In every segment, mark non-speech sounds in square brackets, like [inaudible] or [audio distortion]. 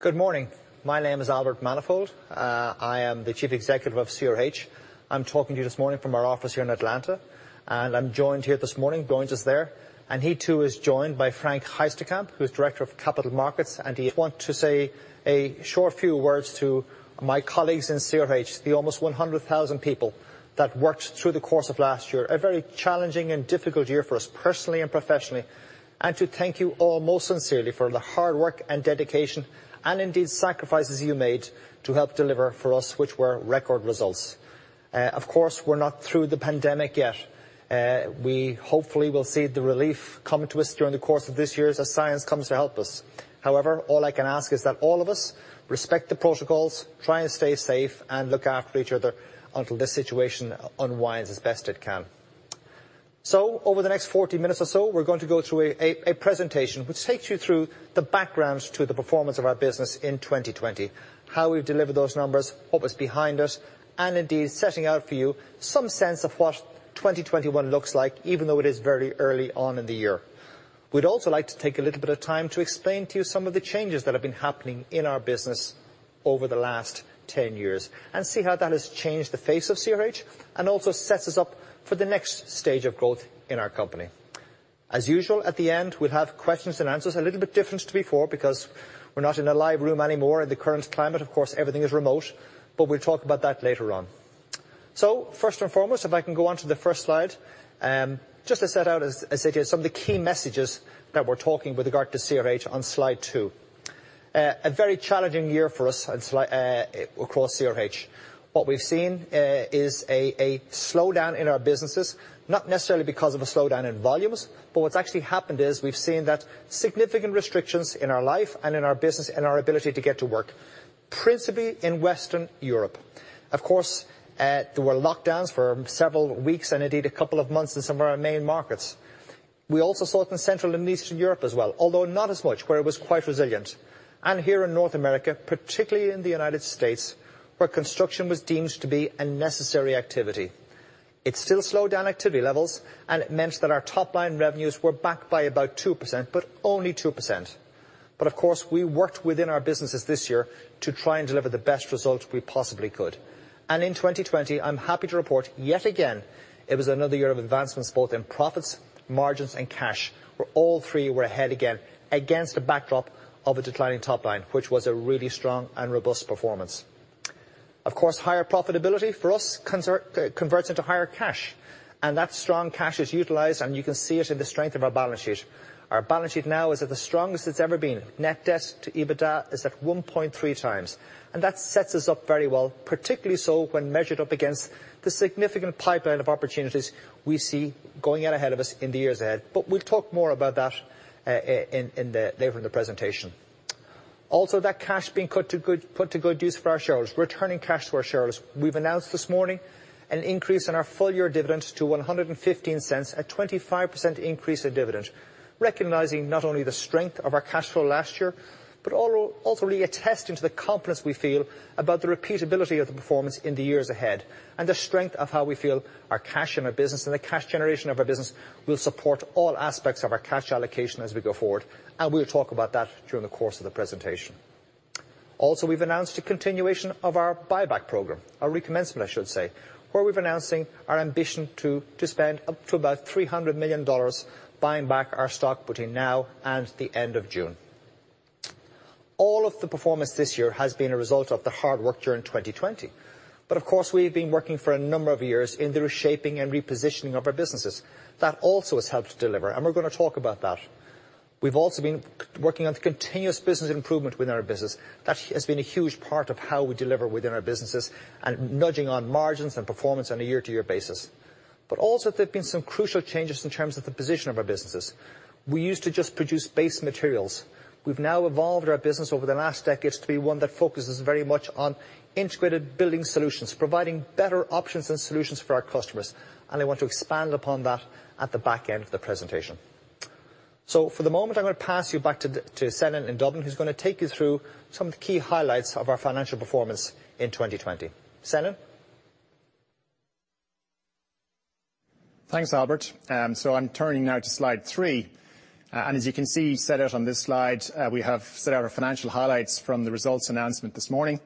Good morning. My name is Albert Manifold. I am the chief executive of CRH. I'm talking to you this morning from our office here in Atlanta. I'm joined here this morning, joins us there, and he too is joined by Frank Heisterkamp, who's director of capital markets. He want to say a short few words to my colleagues in CRH, the almost 100,000 people that worked through the course of last year, a very challenging and difficult year for us personally and professionally, and to thank you all most sincerely for the hard work and dedication, and indeed sacrifices you made to help deliver for us, which were record results. Of course, we're not through the pandemic yet. We hopefully will see the relief coming to us during the course of this year as science comes to help us. However, all I can ask is that all of us respect the protocols, try and stay safe, and look after each other until this situation unwinds as best it can. Over the next 40 minutes or so, we're going to go through a presentation which takes you through the background to the performance of our business in 2020, how we've delivered those numbers, what was behind it, and indeed, setting out for you some sense of what 2021 looks like, even though it is very early on in the year. We'd also like to take a little bit of time to explain to you some of the changes that have been happening in our business over the last 10 years and see how that has changed the face of CRH and also sets us up for the next stage of growth in our company. As usual, at the end, we'll have questions and answers, a little bit different to before because we're not in a live room anymore. In the current climate, of course, everything is remote, we'll talk about that later on. First and foremost, if I can go on to the first slide, just to set out, as I said to you, some of the key messages that we're talking with regard to CRH on slide two. A very challenging year for us across CRH. What we've seen is a slowdown in our businesses, not necessarily because of a slowdown in volumes, but what's actually happened is we've seen that significant restrictions in our life and in our business and our ability to get to work, principally in Western Europe. Of course, there were lockdowns for several weeks and indeed a couple of months in some of our main markets. We also saw it in Central and Eastern Europe as well, although not as much, where it was quite resilient. Here in North America, particularly in the United States, where construction was deemed to be a necessary activity. It still slowed down activity levels, and it meant that our top-line revenues were back by about 2%, but only 2%. Of course, we worked within our businesses this year to try and deliver the best result we possibly could. In 2020, I'm happy to report, yet again, it was another year of advancements both in profits, margins, and cash, where all three were ahead again against a backdrop of a declining top line, which was a really strong and robust performance. Of course, higher profitability for us converts into higher cash, and that strong cash is utilized, and you can see it in the strength of our balance sheet. Our balance sheet now is at the strongest it's ever been. Net debt-to-EBITDA is at 1.3x, and that sets us up very well, particularly so when measured up against the significant pipeline of opportunities we see going out ahead of us in the years ahead. We'll talk more about that later in the presentation. Also, that cash being put to good use for our shareholders, returning cash to our shareholders. We've announced this morning an increase in our full-year dividend to $1.15, a 25% increase in dividend, recognizing not only the strength of our cash flow last year, but also really attesting to the confidence we feel about the repeatability of the performance in the years ahead and the strength of how we feel our cash in our business and the cash generation of our business will support all aspects of our cash allocation as we go forward. We'll talk about that during the course of the presentation. We've announced a continuation of our buyback program, a recommencement, I should say, where we're announcing our ambition to spend up to about $300 million buying back our stock between now and the end of June. All of the performance this year has been a result of the hard work during 2020. Of course, we've been working for a number of years in the reshaping and repositioning of our businesses. That also has helped to deliver, and we're going to talk about that. We've also been working on the continuous business improvement within our business. That has been a huge part of how we deliver within our businesses and nudging on margins and performance on a year-to-year basis. Also, there have been some crucial changes in terms of the position of our businesses. We used to just produce base materials. We've now evolved our business over the last decade to be one that focuses very much on integrated building solutions, providing better options and solutions for our customers, and I want to expand upon that at the back end of the presentation. For the moment, I'm going to pass you back to Senan in Dublin, who's going to take you through some of the key highlights of our financial performance in 2020. Senan? Thanks, Albert. I'm turning now to slide three. As you can see set out on this slide, we have set out our financial highlights from the results announcement this morning.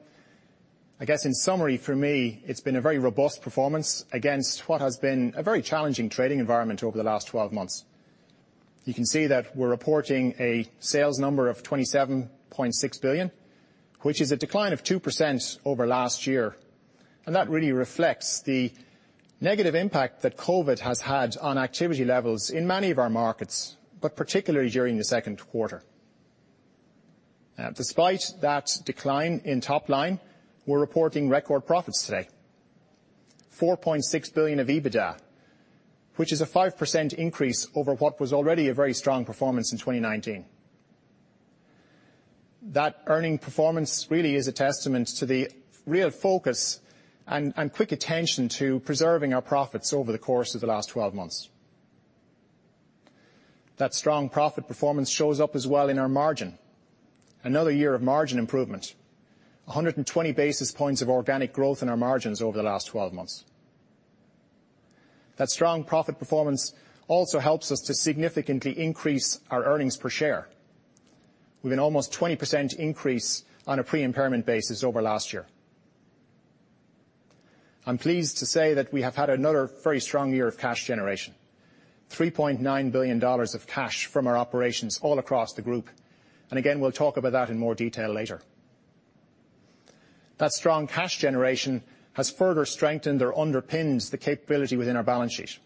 I guess in summary, for me, it's been a very robust performance against what has been a very challenging trading environment over the last 12 months. You can see that we're reporting a sales number of $27.6 billion, which is a decline of 2% over last year. That really reflects the negative impact that COVID has had on activity levels in many of our markets, but particularly during the second quarter. Despite that decline in top line, we're reporting record profits today, $4.6 billion of EBITDA, which is a 5% increase over what was already a very strong performance in 2019. That earning performance really is a testament to the real focus and quick attention to preserving our profits over the course of the last 12 months. That strong profit performance shows up as well in our margin. Another year of margin improvement, 120 basis points of organic growth in our margins over the last 12 months. That strong profit performance also helps us to significantly increase our earnings per share with an almost 20% increase on a pre-impairment basis over last year. I'm pleased to say that we have had another very strong year of cash generation, $3.9 billion of cash from our operations all across the group. Again, we'll talk about that in more detail later. That strong cash generation has further strengthened or underpins the capability within our balance sheet.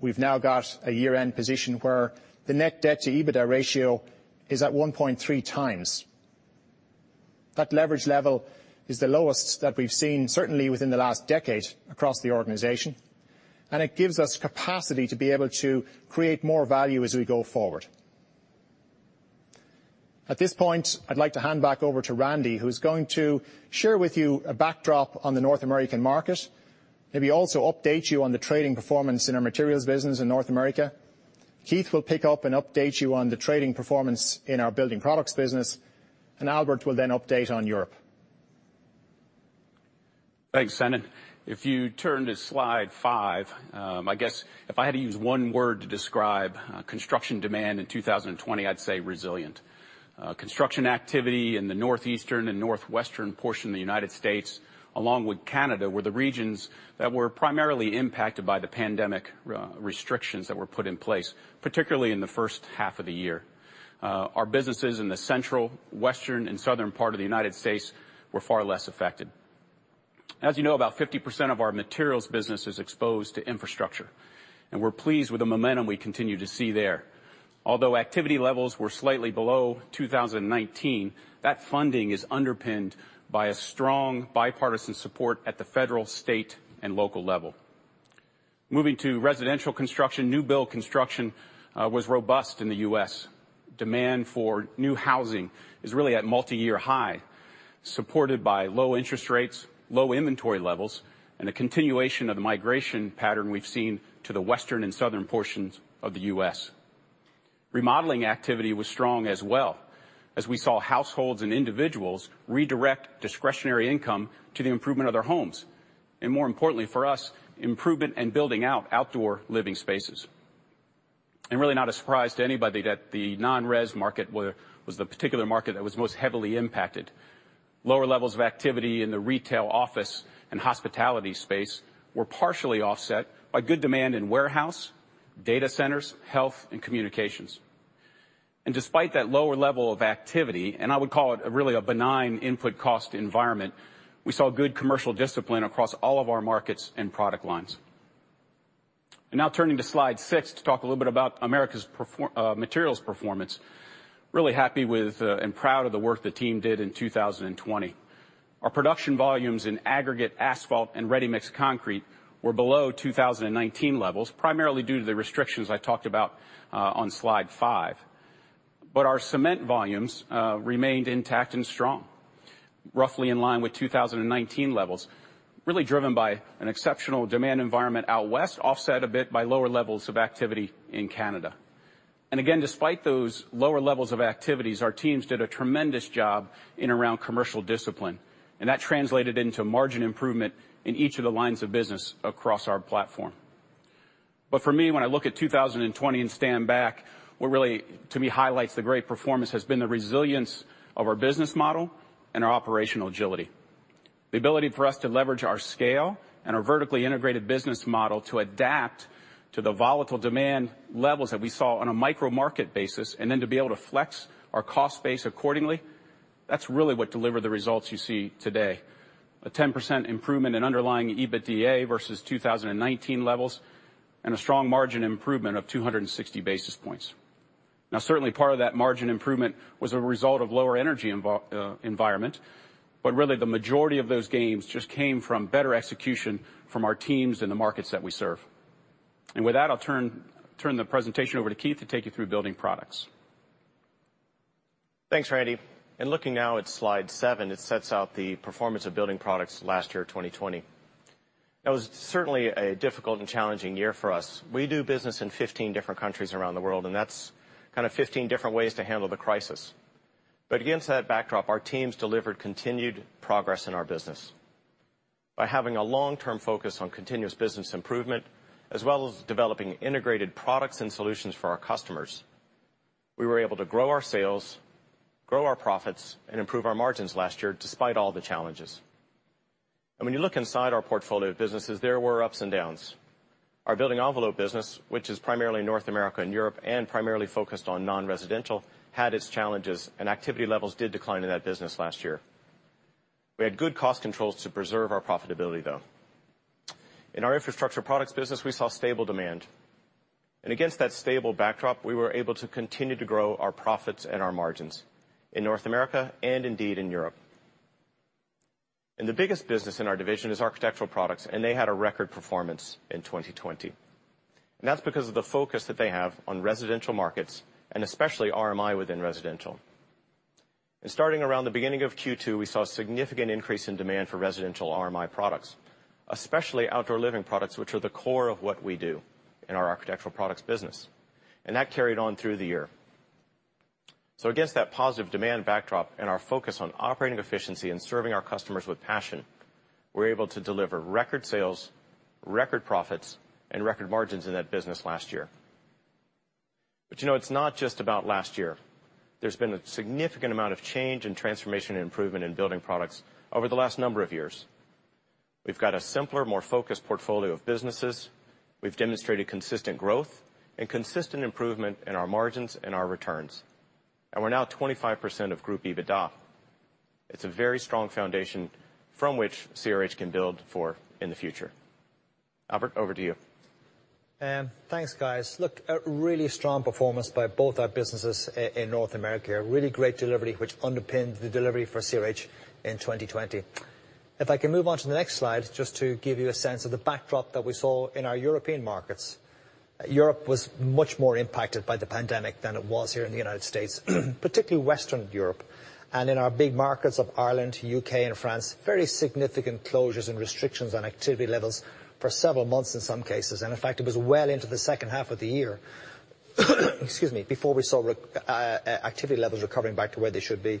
We've now got a year-end position where the net debt to EBITDA ratio is at 1.3x. That leverage level is the lowest that we've seen, certainly within the last decade across the organization, and it gives us capacity to be able to create more value as we go forward. At this point, I'd like to hand back over to Randy, who's going to share with you a backdrop on the North American market, maybe also update you on the trading performance in our materials business in North America. Keith will pick up and update you on the trading performance in our Building Products business, and Albert will then update on Europe. Thanks, Senan. If you turn to slide five, I guess if I had to use one word to describe construction demand in 2020, I'd say resilient. Construction activity in the northeastern and northwestern portion of the U.S., along with Canada, were the regions that were primarily impacted by the pandemic restrictions that were put in place, particularly in the first half of the year. Our businesses in the central, western, and southern part of the U.S. were far less affected. As you know, about 50% of our materials business is exposed to infrastructure, and we're pleased with the momentum we continue to see there. Although activity levels were slightly below 2019, that funding is underpinned by a strong bipartisan support at the federal, state, and local level. Moving to residential construction, new build construction was robust in the U.S. Demand for new housing is really at multi-year high, supported by low interest rates, low inventory levels, and a continuation of the migration pattern we've seen to the western and southern portions of the U.S. Remodeling activity was strong as well, as we saw households and individuals redirect discretionary income to the improvement of their homes. More importantly for us, improvement and building out outdoor living spaces. Really not a surprise to anybody that the non-res market was the particular market that was most heavily impacted. Lower levels of activity in the retail office and hospitality space were partially offset by good demand in warehouse, data centers, health, and communications. Despite that lower level of activity, and I would call it really a benign input cost environment, we saw good commercial discipline across all of our markets and product lines. Now turning to slide six to talk a little bit about materials performance. Really happy with and proud of the work the team did in 2020. Our production volumes in aggregate asphalt and ready-mix concrete were below 2019 levels, primarily due to the restrictions I talked about on slide five. Our cement volumes remained intact and strong, roughly in line with 2019 levels, really driven by an exceptional demand environment out west, offset a bit by lower levels of activity in Canada. Again, despite those lower levels of activities, our teams did a tremendous job in around commercial discipline, and that translated into margin improvement in each of the lines of business across our platform. For me, when I look at 2020 and stand back, what really to me highlights the great performance has been the resilience of our business model and our operational agility. The ability for us to leverage our scale and our vertically integrated business model to adapt to the volatile demand levels that we saw on a micro-market basis, and then to be able to flex our cost base accordingly, that's really what delivered the results you see today. A 10% improvement in underlying EBITDA versus 2019 levels and a strong margin improvement of 260 basis points. Now, certainly part of that margin improvement was a result of lower energy environment. Really the majority of those gains just came from better execution from our teams in the markets that we serve. With that, I'll turn the presentation over to Keith to take you through Building Products. Thanks, Randy. Looking now at slide seven, it sets out the performance of Building Products last year, 2020. That was certainly a difficult and challenging year for us. We do business in 15 different countries around the world, and that's kind of 15 different ways to handle the crisis. Against that backdrop, our teams delivered continued progress in our business. By having a long-term focus on continuous business improvement, as well as developing integrated products and solutions for our customers, we were able to grow our sales, grow our profits, and improve our margins last year despite all the challenges. When you look inside our portfolio of businesses, there were ups and downs. Our Building Envelope business, which is primarily North America and Europe and primarily focused on non-residential, had its challenges, and activity levels did decline in that business last year. We had good cost controls to preserve our profitability, though. In our infrastructure products business, we saw stable demand. Against that stable backdrop, we were able to continue to grow our profits and our margins in North America and indeed in Europe. The biggest business in our division is architectural products, and they had a record performance in 2020. That's because of the focus that they have on residential markets, and especially RMI within residential. Starting around the beginning of Q2, we saw a significant increase in demand for residential RMI products, especially outdoor living products, which are the core of what we do in our architectural products business. That carried on through the year. Against that positive demand backdrop and our focus on operating efficiency and serving our customers with passion, we're able to deliver record sales, record profits, and record margins in that business last year. You know, it's not just about last year. There's been a significant amount of change and transformation and improvement in Building Products over the last number of years. We've got a simpler, more focused portfolio of businesses. We've demonstrated consistent growth and consistent improvement in our margins and our returns. We're now 25% of group EBITDA. It's a very strong foundation from which CRH can build for in the future. Albert, over to you. Thanks, guys. Look, a really strong performance by both our businesses in North America, a really great delivery which underpinned the delivery for CRH in 2020. If I can move on to the next slide, just to give you a sense of the backdrop that we saw in our European markets. Europe was much more impacted by the pandemic than it was here in the United States, particularly Western Europe. In our big markets of Ireland, U.K., and France, very significant closures and restrictions on activity levels for several months in some cases. In fact, it was well into the second half of the year, excuse me, before we saw activity levels recovering back to where they should be.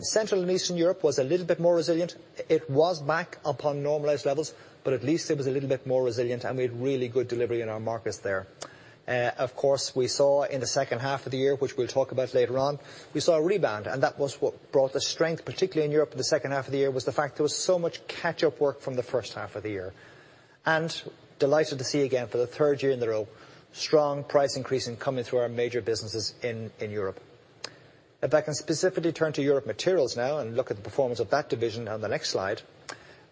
Central and Eastern Europe was a little bit more resilient. It was back upon normalized levels, but at least it was a little bit more resilient, and we had really good delivery in our markets there. Of course, we saw in the second half of the year, which we will talk about later on, we saw a rebound, and that was what brought the strength, particularly in Europe in the second half of the year, was the fact there was so much catch-up work from the first half of the year. Delighted to see again, for the third year in a row, strong price increase coming through our major businesses in Europe. If I can specifically turn to Europe Materials now and look at the performance of that division on the next slide.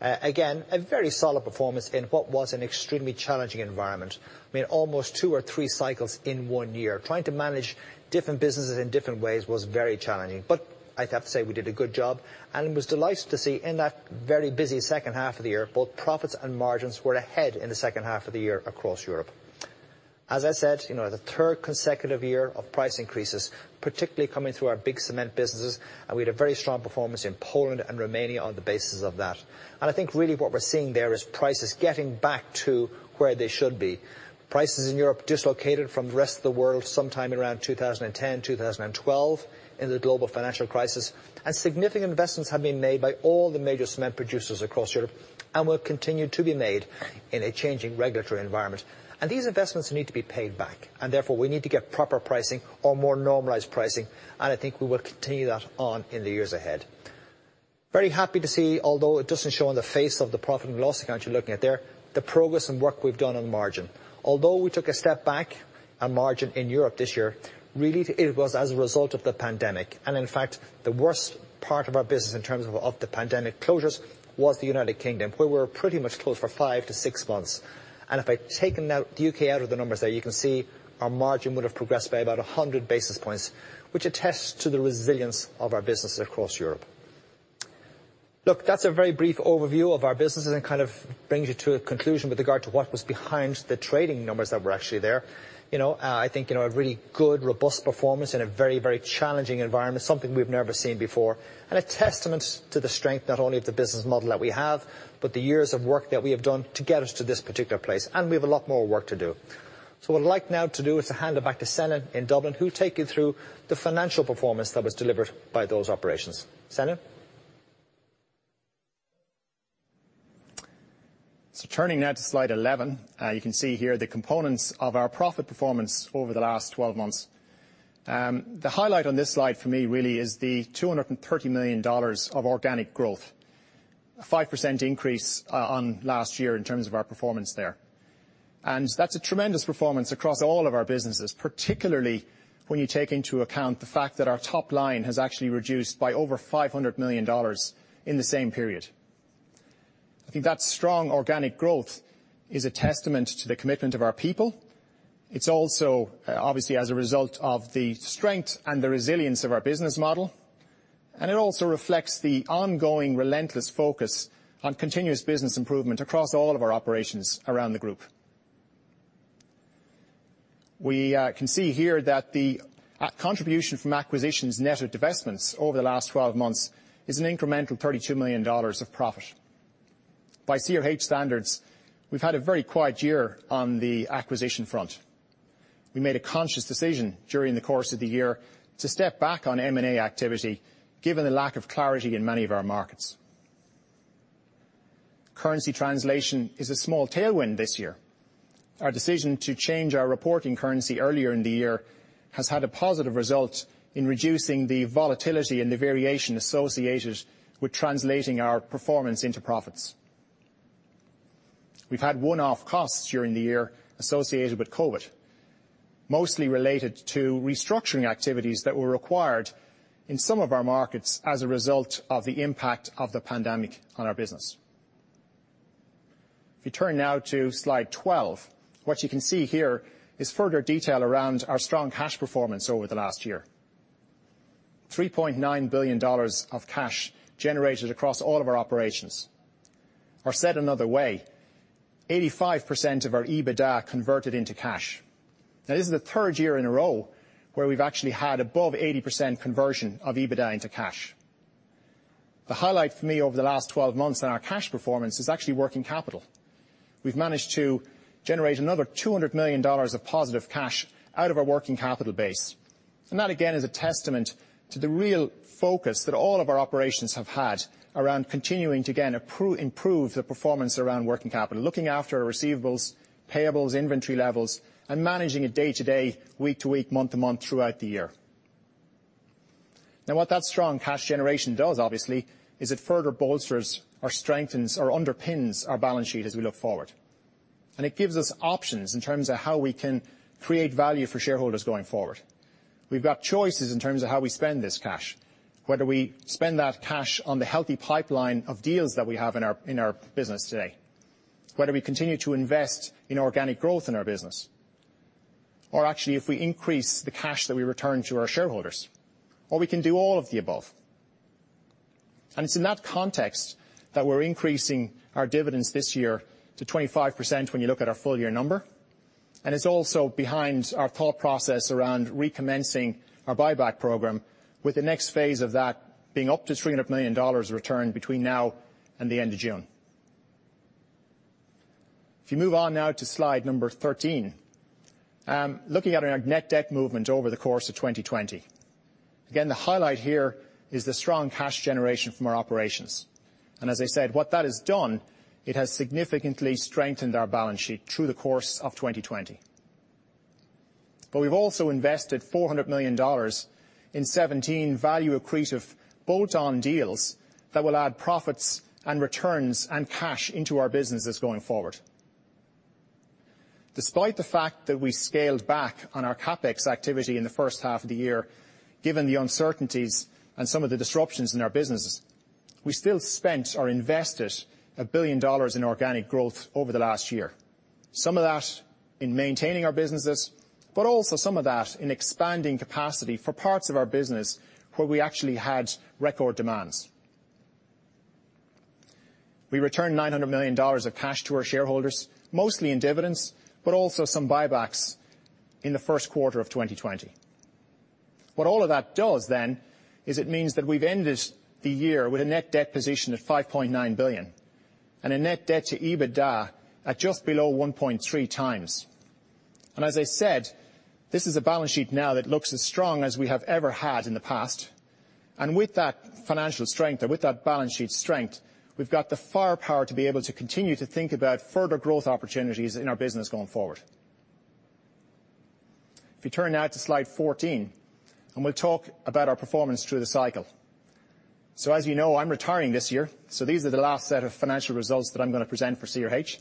Again, a very solid performance in what was an extremely challenging environment. I mean, almost two or three cycles in one year. Trying to manage different businesses in different ways was very challenging. I'd have to say we did a good job and was delighted to see in that very busy second half of the year, both profits and margins were ahead in the second half of the year across Europe. As I said, the third consecutive year of price increases, particularly coming through our big cement businesses, we had a very strong performance in Poland and Romania on the basis of that. I think really what we're seeing there is prices getting back to where they should be. Prices in Europe dislocated from the rest of the world sometime around 2010, 2012, in the global financial crisis. Significant investments have been made by all the major cement producers across Europe and will continue to be made in a changing regulatory environment. These investments need to be paid back, therefore we need to get proper pricing or more normalized pricing. I think we will continue that on in the years ahead. Very happy to see, although it doesn't show on the face of the profit and loss account you're looking at there, the progress and work we've done on margin. Although we took a step back on margin in Europe this year, really it was as a result of the pandemic. In fact, the worst part of our business in terms of the pandemic closures was the United Kingdom, where we were pretty much closed for five to six months. If I'd taken the U.K. out of the numbers there, you can see our margin would have progressed by about 100 basis points, which attests to the resilience of our businesses across Europe. Look, that's a very brief overview of our businesses and kind of brings you to a conclusion with regard to what was behind the trading numbers that were actually there. I think a really good, robust performance in a very, very challenging environment, something we've never seen before, and a testament to the strength not only of the business model that we have, but the years of work that we have done to get us to this particular place. We have a lot more work to do. What I'd like now to do is to hand it back to Senan in Dublin, who'll take you through the financial performance that was delivered by those operations. Senan? Turning now to slide 11, you can see here the components of our profit performance over the last 12 months. The highlight on this slide for me really is the $230 million of organic growth. A 5% increase on last year in terms of our performance there. That's a tremendous performance across all of our businesses, particularly when you take into account the fact that our top line has actually reduced by over $500 million in the same period. I think that strong organic growth is a testament to the commitment of our people. It's also obviously as a result of the strength and the resilience of our business model. It also reflects the ongoing relentless focus on continuous business improvement across all of our operations around the group. We can see here that the contribution from acquisitions net of divestments over the last 12 months is an incremental $32 million of profit. By CRH standards, we've had a very quiet year on the acquisition front. We made a conscious decision during the course of the year to step back on M&A activity given the lack of clarity in many of our markets. Currency translation is a small tailwind this year. Our decision to change our reporting currency earlier in the year has had a positive result in reducing the volatility and the variation associated with translating our performance into profits. We've had one-off costs during the year associated with COVID, mostly related to restructuring activities that were required in some of our markets as a result of the impact of the pandemic on our business. If you turn now to slide 12, what you can see here is further detail around our strong cash performance over the last year. $3.9 billion of cash generated across all of our operations. Said another way, 85% of our EBITDA converted into cash. This is the third year in a row where we've actually had above 80% conversion of EBITDA into cash. The highlight for me over the last 12 months in our cash performance is actually working capital. We've managed to generate another $200 million of positive cash out of our working capital base. That, again, is a testament to the real focus that all of our operations have had around continuing to, again, improve the performance around working capital, looking after our receivables, payables, inventory levels, and managing it day to day, week to week, month to month throughout the year. Now what that strong cash generation does, obviously, is it further bolsters or strengthens or underpins our balance sheet as we look forward. It gives us options in terms of how we can create value for shareholders going forward. We've got choices in terms of how we spend this cash, whether we spend that cash on the healthy pipeline of deals that we have in our business today, whether we continue to invest in organic growth in our business, or actually, if we increase the cash that we return to our shareholders, or we can do all of the above. It's in that context that we're increasing our dividends this year to 25% when you look at our full-year number, and it's also behind our thought process around recommencing our buyback program with the next phase of that being up to $300 million returned between now and the end of June. If you move on now to slide number 13, looking at our net debt movement over the course of 2020. Again, the highlight here is the strong cash generation from our operations. As I said, what that has done, it has significantly strengthened our balance sheet through the course of 2020. We've also invested $400 million in 17 value-accretive bolt-on deals that will add profits and returns and cash into our businesses going forward. Despite the fact that we scaled back on our CapEx activity in the first half of the year, given the uncertainties and some of the disruptions in our businesses, we still spent or invested $1 billion in organic growth over the last year. Some of that in maintaining our businesses, but also some of that in expanding capacity for parts of our business where we actually had record demands. We returned $900 million of cash to our shareholders, mostly in dividends, but also some buybacks in the first quarter of 2020. All of that does then is it means that we've ended the year with a net debt position of $5.9 billion and a net debt to EBITDA at just below 1.3x. As I said, this is a balance sheet now that looks as strong as we have ever had in the past. With that financial strength or with that balance sheet strength, we've got the firepower to be able to continue to think about further growth opportunities in our business going forward. If you turn now to slide 14, and we'll talk about our performance through the cycle. As you know, I'm retiring this year, so these are the last set of financial results that I'm going to present for CRH.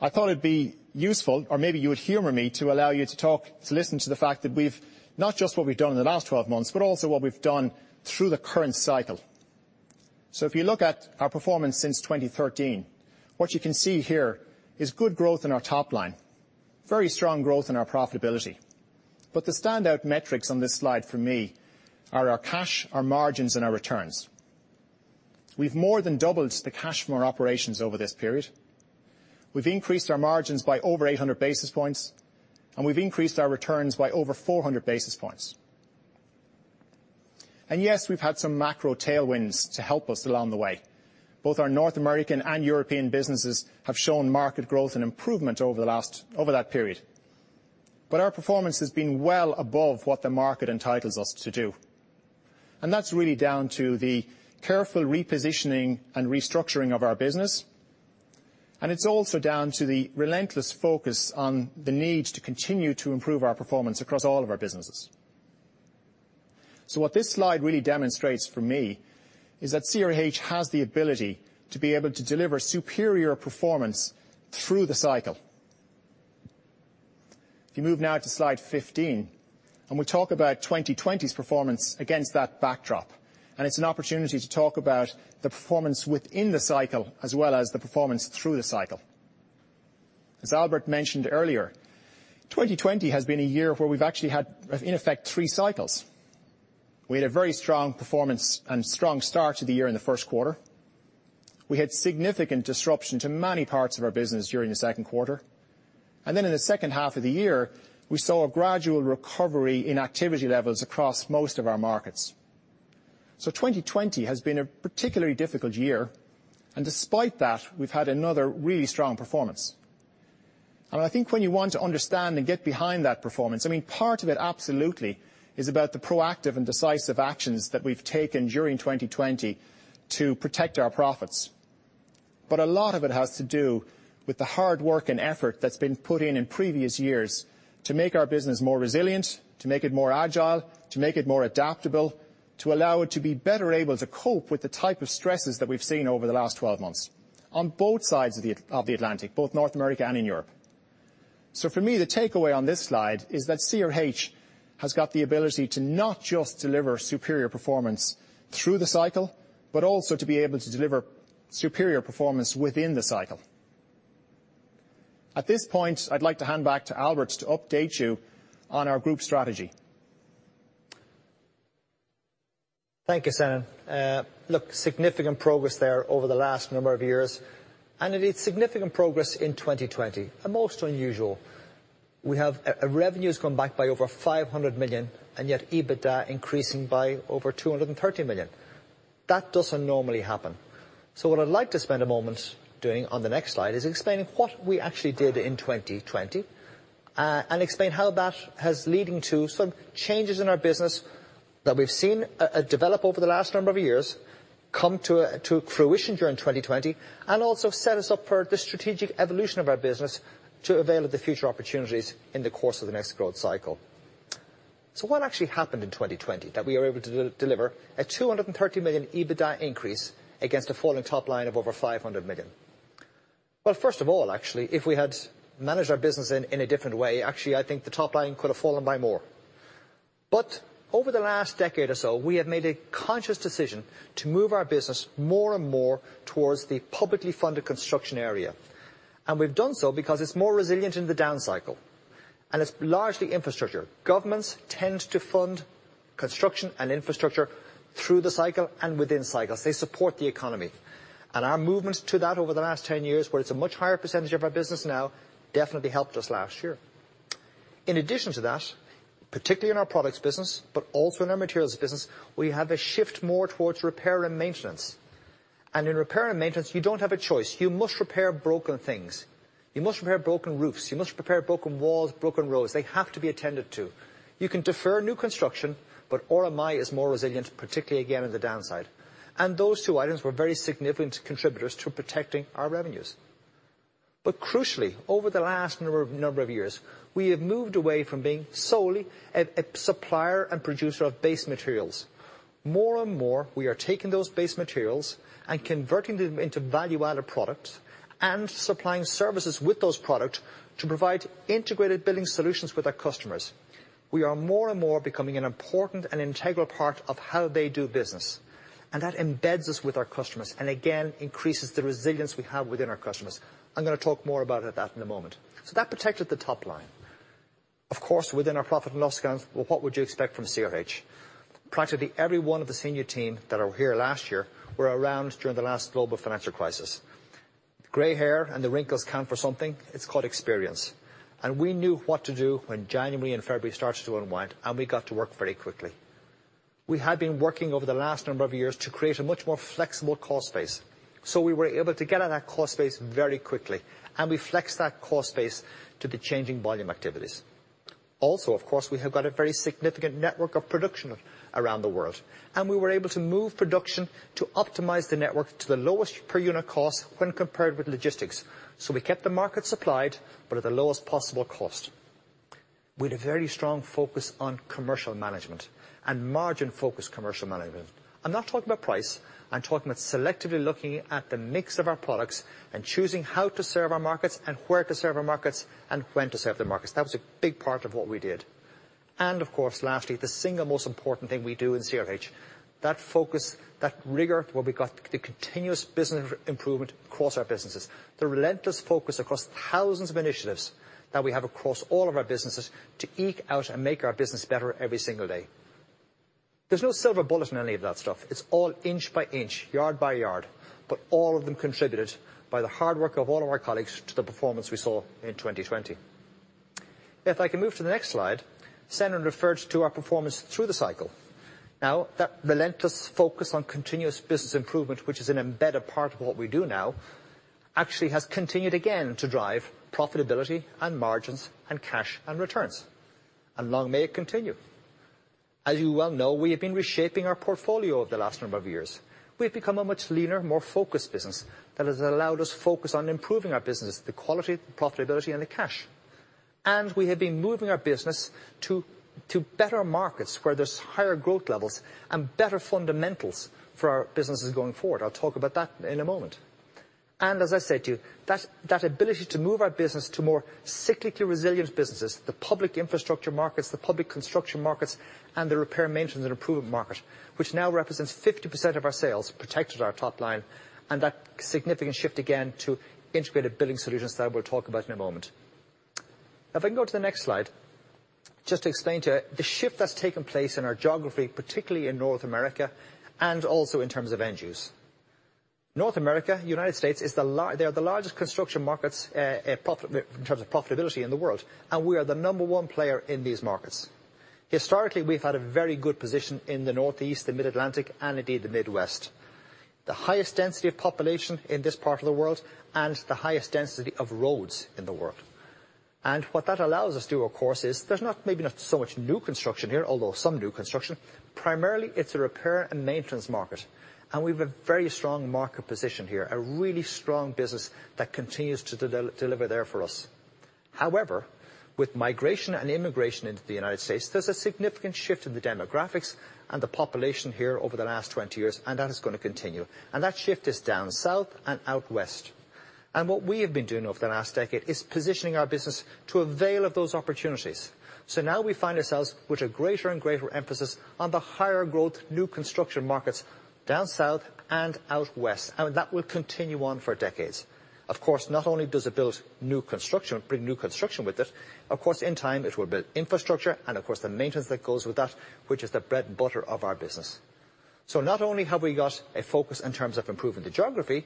I thought it'd be useful, or maybe you would humor me to allow you to listen to the fact that we've not just what we've done in the last 12 months, but also what we've done through the current cycle. If you look at our performance since 2013, what you can see here is good growth in our top line, very strong growth in our profitability. The standout metrics on this slide for me are our cash, our margins, and our returns. We've more than doubled the cash from our operations over this period. We've increased our margins by over 800 basis points, and we've increased our returns by over 400 basis points. Yes, we've had some macro tailwinds to help us along the way. Both our North American and European businesses have shown market growth and improvement over that period. Our performance has been well above what the market entitles us to do, and that's really down to the careful repositioning and restructuring of our business, and it's also down to the relentless focus on the need to continue to improve our performance across all of our businesses. What this slide really demonstrates for me is that CRH has the ability to be able to deliver superior performance through the cycle. If you move now to slide 15, we'll talk about 2020's performance against that backdrop. It's an opportunity to talk about the performance within the cycle as well as the performance through the cycle. As Albert mentioned earlier, 2020 has been a year where we've actually had, in effect, three cycles. We had a very strong performance and strong start to the year in the first quarter. We had significant disruption to many parts of our business during the second quarter. Then in the second half of the year, we saw a gradual recovery in activity levels across most of our markets. 2020 has been a particularly difficult year. Despite that, we've had another really strong performance. I think when you want to understand and get behind that performance, part of it absolutely is about the proactive and decisive actions that we've taken during 2020 to protect our profits. A lot of it has to do with the hard work and effort that's been put in in previous years to make our business more resilient, to make it more agile, to make it more adaptable, to allow it to be better able to cope with the type of stresses that we've seen over the last 12 months on both sides of the Atlantic, both North America and in Europe. For me, the takeaway on this slide is that CRH has got the ability to not just deliver superior performance through the cycle, but also to be able to deliver superior performance within the cycle. At this point, I'd like to hand back to Albert to update you on our group strategy. Thank you, Senan. Look, significant progress there over the last number of years, and indeed significant progress in 2020. We have revenues come back by over $500 million, and yet EBITDA increasing by over $230 million. That doesn't normally happen. What I'd like to spend a moment doing on the next slide is explaining what we actually did in 2020, and explain how that has leading to some changes in our business that we've seen develop over the last number of years come to fruition during 2020, and also set us up for the strategic evolution of our business to avail the future opportunities in the course of the next growth cycle. What actually happened in 2020 that we are able to deliver a $230 million EBITDA increase against a falling top line of over $500 million? First of all, actually, if we had managed our business in a different way, actually, I think the top line could have fallen by more. Over the last decade or so, we have made a conscious decision to move our business more and more towards the publicly funded construction area. We've done so because it's more resilient in the down cycle, and it's largely infrastructure. Governments tend to fund construction and infrastructure through the cycle and within cycles. They support the economy. Our movements to that over the last 10 years, where it's a much higher percentage of our business now, definitely helped us last year. In addition to that, particularly in our products business, but also in our materials business, we have a shift more towards repair and maintenance. In repair and maintenance, you don't have a choice. You must repair broken things. You must repair broken roofs. You must repair broken walls, broken roads. They have to be attended to. You can defer new construction, RMI is more resilient, particularly again, in the downside. Those two items were very significant contributors to protecting our revenues. Crucially, over the last number of years, we have moved away from being solely a supplier and producer of base materials. More and more, we are taking those base materials and converting them into value-added products and supplying services with those products to provide integrated building solutions with our customers. We are more and more becoming an important and integral part of how they do business. That embeds us with our customers, and again, increases the resilience we have within our customers. I'm going to talk more about that in a moment. That protected the top line. Of course, within our profit and loss accounts, well, what would you expect from CRH? Practically every one of the senior team that are here last year were around during the last global financial crisis. Gray hair and the wrinkles count for something. It's called experience. We knew what to do when January and February started to unwind, and we got to work very quickly. We had been working over the last number of years to create a much more flexible cost base. We were able to get on that cost base very quickly, and we flexed that cost base to the changing volume activities. Also, of course, we have got a very significant network of production around the world, and we were able to move production to optimize the network to the lowest per unit cost when compared with logistics. We kept the market supplied, but at the lowest possible cost. We had a very strong focus on commercial management and margin-focused commercial management. I'm not talking about price, I'm talking about selectively looking at the mix of our products and choosing how to serve our markets and where to serve our markets and when to serve the markets. That was a big part of what we did. Of course, lastly, the single most important thing we do in CRH, that focus, that rigor, where we got the continuous business improvement across our businesses, the relentless focus across thousands of initiatives that we have across all of our businesses to eke out and make our business better every single day. There's no silver bullet in any of that stuff. It's all inch by inch, yard by yard, but all of them contributed by the hard work of all of our colleagues to the performance we saw in 2020. If I can move to the next slide, Senan referred to our performance through the cycle. Now, that relentless focus on continuous business improvement, which is an embedded part of what we do now, actually has continued again to drive profitability and margins and cash and returns. Long may it continue. As you well know, we have been reshaping our portfolio over the last number of years. We've become a much leaner, more focused business that has allowed us focus on improving our business, the quality, the profitability, and the cash. We have been moving our business to better markets where there's higher growth levels and better fundamentals for our businesses going forward. I'll talk about that in a moment. As I said to you, that ability to move our business to more cyclically resilient businesses, the public infrastructure markets, the public construction markets, and the repair, maintenance, and improvement market, which now represents 50% of our sales, protected our top line, and that significant shift, again, to integrated building solutions that we'll talk about in a moment. If I can go to the next slide, just to explain to you the shift that's taken place in our geography, particularly in North America, and also in terms of end use. North America, United States, they are the largest construction markets in terms of profitability in the world, and we are the number one player in these markets. Historically, we've had a very good position in the Northeast, the Mid-Atlantic, and indeed the Midwest. The highest density of population in this part of the world and the highest density of roads in the world. What that allows us to, of course, is there's not maybe not so much new construction here, although some new construction. Primarily, it's a repair and maintenance market, and we've a very strong market position here, a really strong business that continues to deliver there for us. However, with migration and immigration into the United States, there's a significant shift in the demographics and the population here over the last 20 years, and that is going to continue. That shift is down south and out west. What we have been doing over the last decade is positioning our business to avail of those opportunities. Now we find ourselves with a greater and greater emphasis on the higher growth, new construction markets down south and out west, and that will continue on for decades. Not only does it build new construction, bring new construction with it. In time, it will build infrastructure and of course, the maintenance that goes with that, which is the bread and butter of our business. Not only have we got a focus in terms of improving the geography,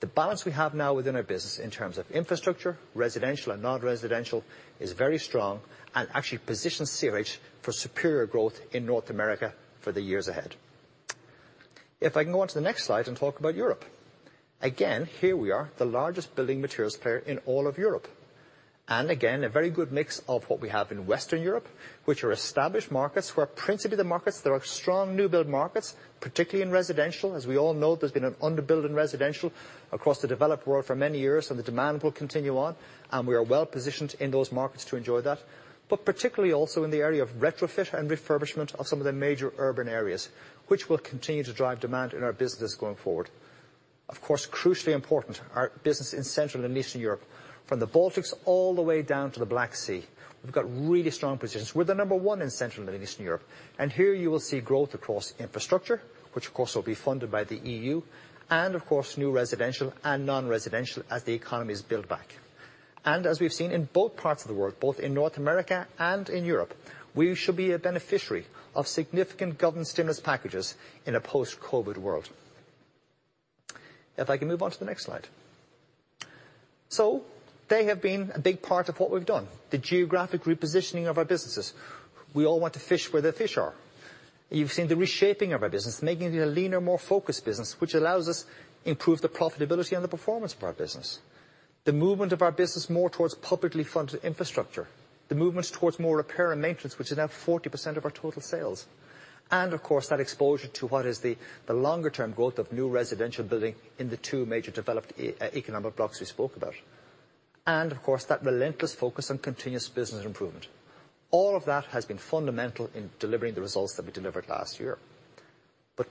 the balance we have now within our business in terms of infrastructure, residential and non-residential is very strong and actually positions CRH for superior growth in North America for the years ahead. If I can go on to the next slide and talk about Europe. Again, here we are the largest building materials player in all of Europe. Again, a very good mix of what we have in Western Europe, which are established markets, who are principally the markets that are strong new build markets, particularly in residential. As we all know, there's been an under-build in residential across the developed world for many years, and the demand will continue on, and we are well-positioned in those markets to enjoy that. Particularly also in the area of retrofit and refurbishment of some of the major urban areas, which will continue to drive demand in our business going forward. Of course, crucially important, our business in Central and Eastern Europe, from the Baltics all the way down to the Black Sea. We've got really strong positions. We're the number one in Central and Eastern Europe. Here you will see growth across infrastructure, which of course will be funded by the EU, and of course, new residential and non-residential as the economies build back. As we’ve seen in both parts of the world, both in North America and in Europe, we should be a beneficiary of significant government stimulus packages in a post-COVID world. If I can move on to the next slide. They have been a big part of what we’ve done, the geographic repositioning of our businesses. We all want to fish where the fish are. You’ve seen the reshaping of our business, making it a leaner, more focused business, which allows us improve the profitability and the performance of our business. The movement of our business more towards publicly funded infrastructure, the movements towards more repair and maintenance, which is now 40% of our total sales. Of course, that exposure to what is the longer-term growth of new residential building in the two major developed economic blocks we spoke about. Of course, that relentless focus on continuous business improvement. All of that has been fundamental in delivering the results that we delivered last year.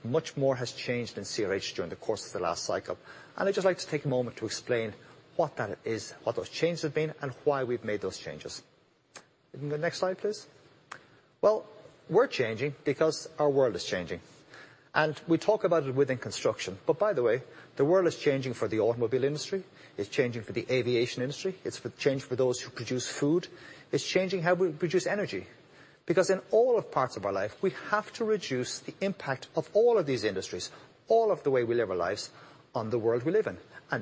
Much more has changed in CRH during the course of the last cycle, and I'd just like to take a moment to explain what that is, what those changes have been, and why we've made those changes. The next slide, please. We're changing because our world is changing. We talk about it within construction, but by the way, the world is changing for the automobile industry, it's changing for the aviation industry, it's changing for those who produce food. It's changing how we produce energy. In all parts of our life, we have to reduce the impact of all of these industries, all of the way we live our lives on the world we live in.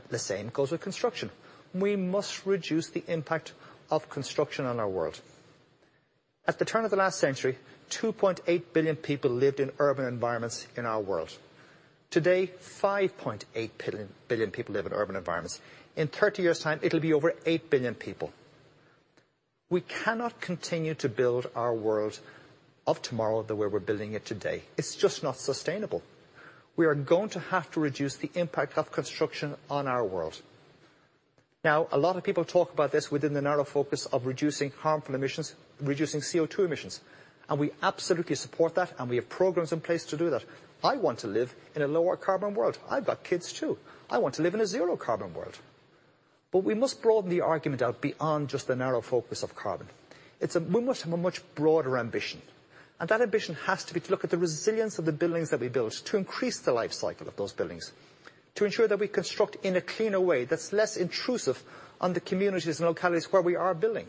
The same goes with construction. We must reduce the impact of construction on our world. At the turn of the last century, 2.8 billion people lived in urban environments in our world. Today, 5.8 billion people live in urban environments. In 30 years' time, it'll be over 8 billion people. We cannot continue to build our world of tomorrow the way we're building it today. It's just not sustainable. We are going to have to reduce the impact of construction on our world. A lot of people talk about this within the narrow focus of reducing harmful emissions, reducing CO2 emissions. We absolutely support that, and we have programs in place to do that. I want to live in a lower carbon world. I've got kids too. I want to live in a zero carbon world. We must broaden the argument out beyond just the narrow focus of carbon. We must have a much broader ambition. That ambition has to be to look at the resilience of the buildings that we build to increase the life cycle of those buildings, to ensure that we construct in a cleaner way that's less intrusive on the communities and localities where we are building.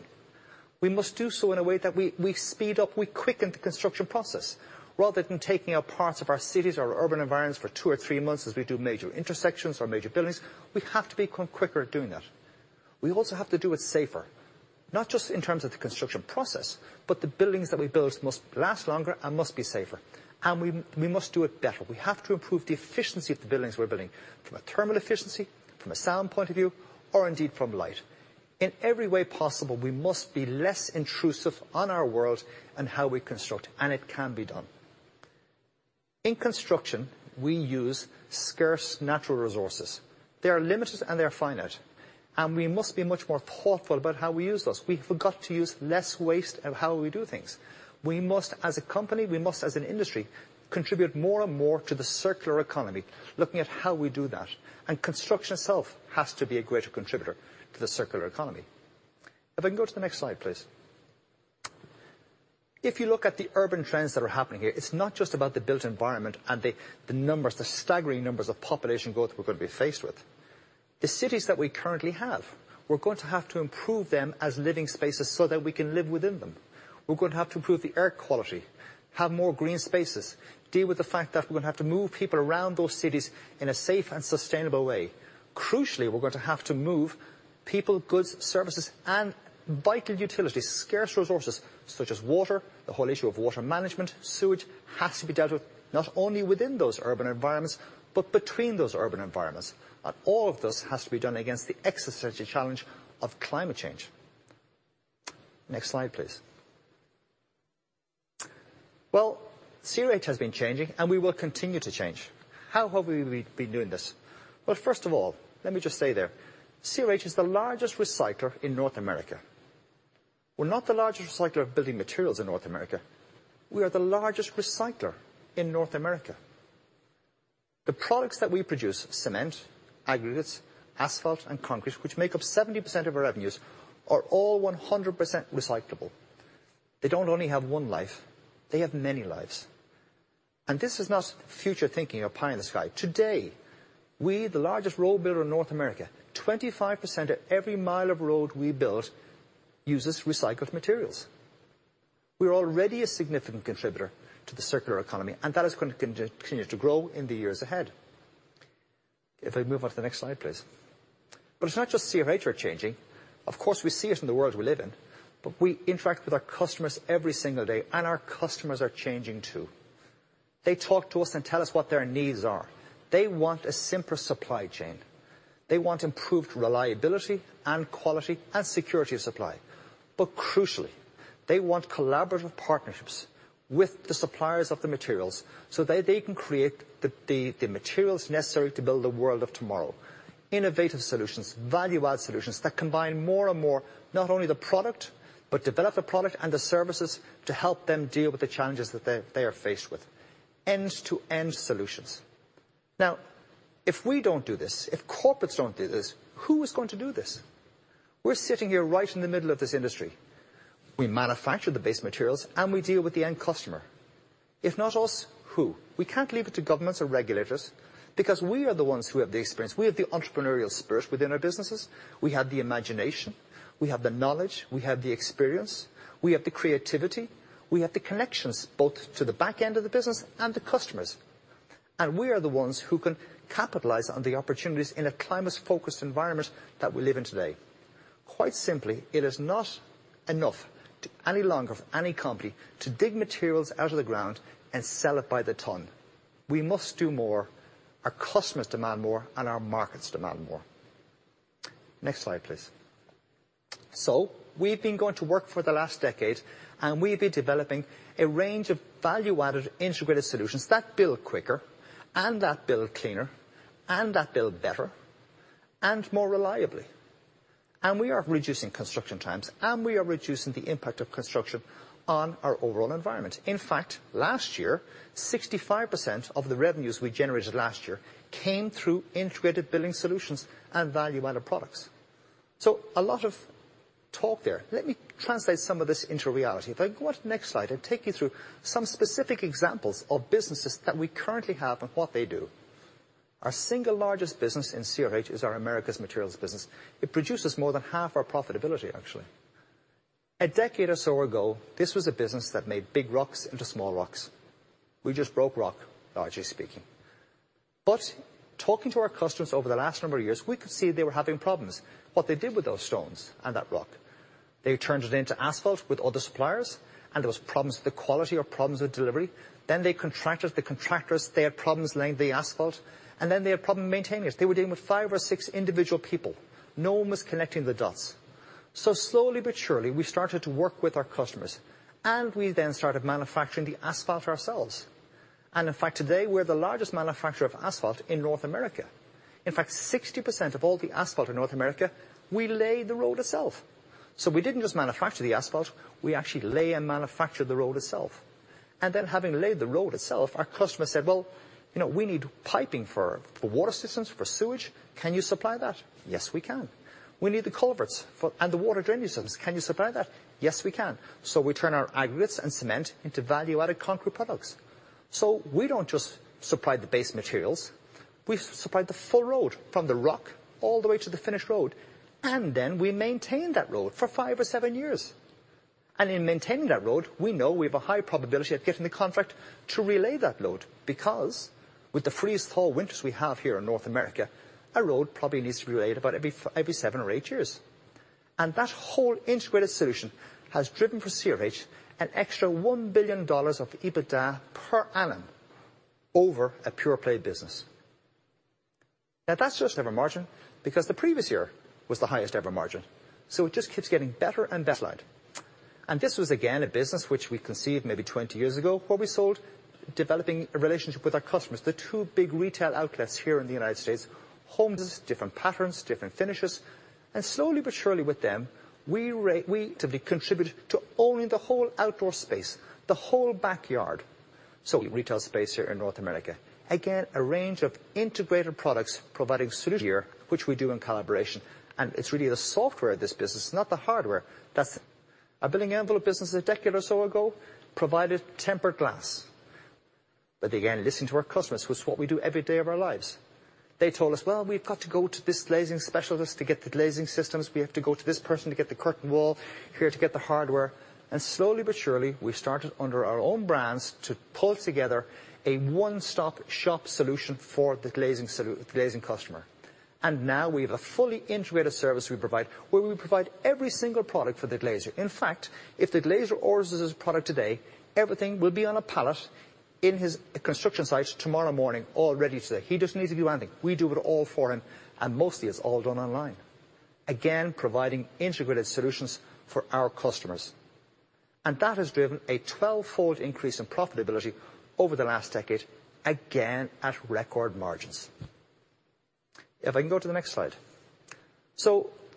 We must do so in a way that we speed up, we quicken the construction process. Rather than taking up parts of our cities or urban environments for two or three months as we do major intersections or major buildings, we have to become quicker at doing that. We also have to do it safer, not just in terms of the construction process, but the buildings that we build must last longer and must be safer. We must do it better. We have to improve the efficiency of the buildings we're building from a thermal efficiency, from a sound point of view, or indeed from light. In every way possible, we must be less intrusive on our world and how we construct, and it can be done. In construction, we use scarce natural resources. They are limited and they are finite, and we must be much more thoughtful about how we use those. We have got to use less waste of how we do things. We must, as a company, we must as an industry, contribute more and more to the circular economy, looking at how we do that. Construction itself has to be a greater contributor to the circular economy. If I can go to the next slide, please. If you look at the urban trends that are happening here, it's not just about the built environment and the numbers, the staggering numbers of population growth we're going to be faced with. The cities that we currently have, we're going to have to improve them as living spaces so that we can live within them. We're going to have to improve the air quality, have more green spaces, deal with the fact that we're going to have to move people around those cities in a safe and sustainable way. Crucially, we're going to have to move people, goods, services, vital utilities, scarce resources such as water, the whole issue of water management, sewage, has to be dealt with not only within those urban environments but between those urban environments. All of this has to be done against the existential challenge of climate change. Next slide, please. CRH has been changing and we will continue to change. How will we be doing this? First of all, let me just say there, CRH is the largest recycler in North America. We're not the largest recycler of building materials in North America. We are the largest recycler in North America. The products that we produce, cement, aggregates, asphalt, and concrete, which make up 70% of our revenues, are all 100% recyclable. They don't only have one life, they have many lives. This is not future thinking or pie in the sky. Today, we, the largest road builder in North America, 25% of every mile of road we build uses recycled materials. We're already a significant contributor to the circular economy, and that is going to continue to grow in the years ahead. If I move on to the next slide, please. It's not just CRH are changing. Of course, we see it in the world we live in, but we interact with our customers every single day, and our customers are changing, too. They talk to us and tell us what their needs are. They want a simpler supply chain. They want improved reliability and quality and security of supply. Crucially, they want collaborative partnerships with the suppliers of the materials so that they can create the materials necessary to build the world of tomorrow. Innovative solutions, value-add solutions that combine more and more not only the product, but develop the product and the services to help them deal with the challenges that they are faced with. End-to-end solutions. If we don't do this, if corporates don't do this, who is going to do this? We're sitting here right in the middle of this industry. We manufacture the base materials, and we deal with the end customer. If not us, who? We can't leave it to governments or regulators because we are the ones who have the experience. We have the entrepreneurial spirit within our businesses. We have the imagination. We have the knowledge. We have the experience. We have the creativity. We have the connections both to the back end of the business and the customers. We are the ones who can capitalize on the opportunities in a climate-focused environment that we live in today. Quite simply, it is not enough any longer for any company to dig materials out of the ground and sell it by the ton. We must do more. Our customers demand more, and our markets demand more. Next slide, please. We've been going to work for the last decade, and we've been developing a range of value-added integrated solutions that build quicker and that build cleaner and that build better and more reliably. We are reducing construction times, and we are reducing the impact of construction on our overall environment. In fact, last year, 65% of the revenues we generated last year came through integrated building solutions and value-added products. A lot of talk there. Let me translate some of this into reality. If I go on to the next slide, I'll take you through some specific examples of businesses that we currently have and what they do. Our single largest business in CRH is our Americas Materials business. It produces more than half our profitability, actually. A decade or so ago, this was a business that made big rocks into small rocks. We just broke rock, largely speaking. Talking to our customers over the last number of years, we could see they were having problems. What they did with those stones and that rock, they turned it into asphalt with other suppliers, and there was problems with the quality or problems with delivery. They contracted the contractors. They had problems laying the asphalt, and then they had problems maintaining it. They were dealing with five or six individual people. No one was connecting the dots. Slowly but surely, we started to work with our customers, and we then started manufacturing the asphalt ourselves. In fact, today, we're the largest manufacturer of asphalt in North America. In fact, 60% of all the asphalt in North America, we lay the road itself. We didn't just manufacture the asphalt, we actually lay and manufacture the road itself. Then having laid the road itself, our customer said, "Well, we need piping for water systems, for sewage. Can you supply that?" Yes, we can. We need the culverts and the water drainage systems. Can you supply that? Yes, we can. We turn our aggregates and cement into value-added concrete products. We don't just supply the base materials. We supply the full road from the rock all the way to the finished road. Then we maintain that road for five or seven years. In maintaining that road, we know we have a high probability of getting the contract to relay that road because with the freeze-thaw winters we have here in North America, a road probably needs to be relayed about every seven or eight years. That whole integrated solution has driven for CRH an extra $1 billion of EBITDA per annum over a pure-play business. Now, that's just ever margin because the previous year was the highest ever margin. It just keeps getting better and better. This was, again, a business which we conceived maybe 20 years ago where we sold, developing a relationship with our customers. The two big retail outlets here in the United States, homes, different patterns, different finishes. Slowly but surely with them, we contributed to owning the whole outdoor space, the whole backyard. Retail space here in North America. Again, a range of integrated products providing solution here, which we do in collaboration. It's really the software of this business, not the hardware. That's a building envelope business a decade or so ago provided tempered glass. Again, listening to our customers was what we do every day of our lives. They told us, "Well, we've got to go to this glazing specialist to get the glazing systems. We have to go to this person to get the curtain wall, here to get the hardware." Slowly but surely, we started under our own brands to pull together a one-stop shop solution for the glazing customer. Now we have a fully integrated service we provide where we provide every single product for the glazer. In fact, if the glazier orders his product today, everything will be on a pallet in his construction site tomorrow morning. He doesn't need to do anything. We do it all for him. Mostly it's all done online. Again, providing integrated solutions for our customers. That has driven a 12-fold increase in profitability over the last decade, again at record margins. If I can go to the next slide.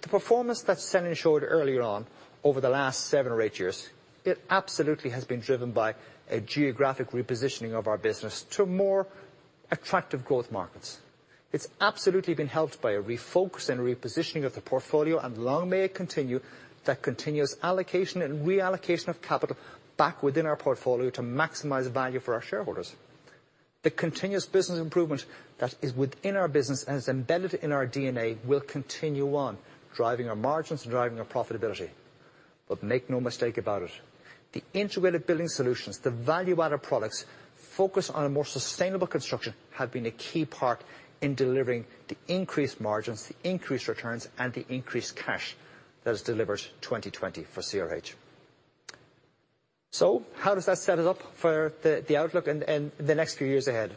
The performance that Senan showed earlier on over the last seven or eight years, it absolutely has been driven by a geographic repositioning of our business to more attractive growth markets. It's absolutely been helped by a refocus and repositioning of the portfolio and long may it continue that continuous allocation and reallocation of capital back within our portfolio to maximize value for our shareholders. The continuous business improvement that is within our business and is embedded in our DNA will continue on, driving our margins and driving our profitability. Make no mistake about it, the integrated building solutions, the value-added products focused on a more sustainable construction have been a key part in delivering the increased margins, the increased returns, and the increased cash that has delivered 2020 for CRH. How does that set it up for the outlook and the next few years ahead?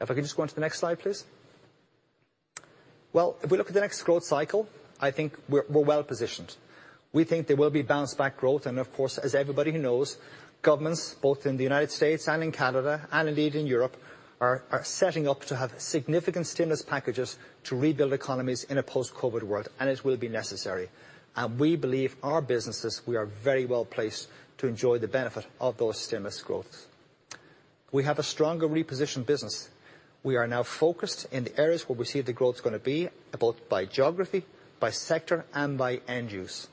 If I could just go on to the next slide, please. If we look at the next growth cycle, I think we're well-positioned. We think there will be bounce-back growth. Of course, as everybody knows, governments, both in the U.S. and in Canada, and indeed in Europe, are setting up to have significant stimulus packages to rebuild economies in a post-COVID world. It will be necessary. We believe our businesses, we are very well-placed to enjoy the benefit of those stimulus growths. We have a stronger repositioned business. We are now focused in the areas where we see the growth's going to be, both by geography, by sector, and by end use.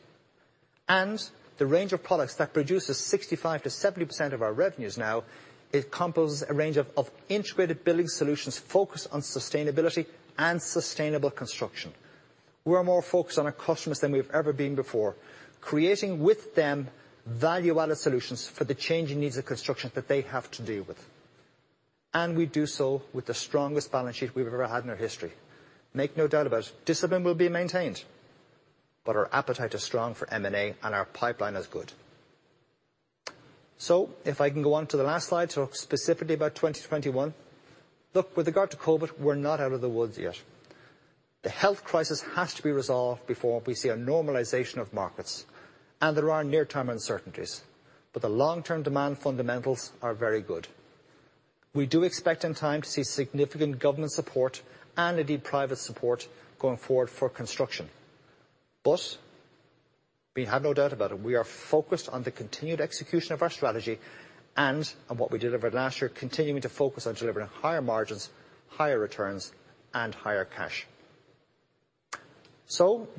The range of products that produces 65%-70% of our revenues now, it comprises a range of integrated building solutions focused on sustainability and sustainable construction. We are more focused on our customers than we've ever been before, creating with them value-added solutions for the changing needs of construction that they have to deal with. We do so with the strongest balance sheet we've ever had in our history. Make no doubt about it, discipline will be maintained. Our appetite is strong for M&A, and our pipeline is good. If I can go on to the last slide, talk specifically about 2021. Look, with regard to COVID, we're not out of the woods yet. The health crisis has to be resolved before we see a normalization of markets, and there are near-term uncertainties. The long-term demand fundamentals are very good. We do expect in time to see significant government support, and indeed private support, going forward for construction. We have no doubt about it, we are focused on the continued execution of our strategy and on what we delivered last year, continuing to focus on delivering higher margins, higher returns, and higher cash.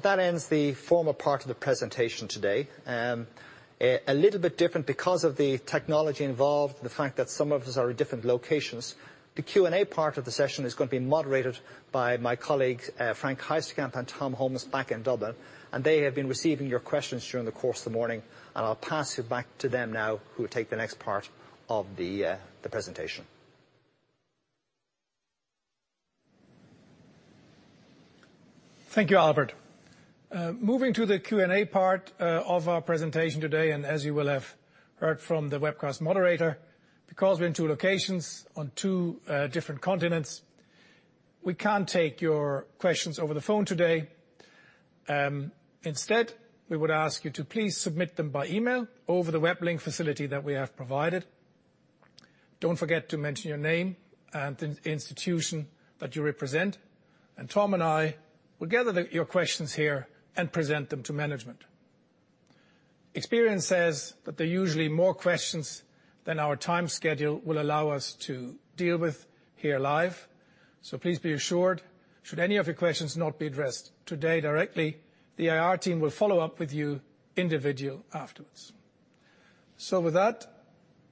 That ends the formal part of the presentation today. A little bit different because of the technology involved and the fact that some of us are in different locations. The Q&A part of the session is going to be moderated by my colleagues, Frank Heisterkamp and Tom Holmes back in Dublin, and they have been receiving your questions during the course of the morning. I'll pass you back to them now, who will take the next part of the presentation. Thank you, Albert. Moving to the Q&A part of our presentation today. As you will have heard from the webcast moderator, because we're in two locations on two different continents, we can't take your questions over the phone today. Instead, we would ask you to please submit them by email over the web link facility that we have provided. Don't forget to mention your name and the institution that you represent. Tom and I will gather your questions here and present them to management. Experience says that there are usually more questions than our time schedule will allow us to deal with here live. Please be assured, should any of your questions not be addressed today directly, the IR team will follow up with you individual afterwards. With that,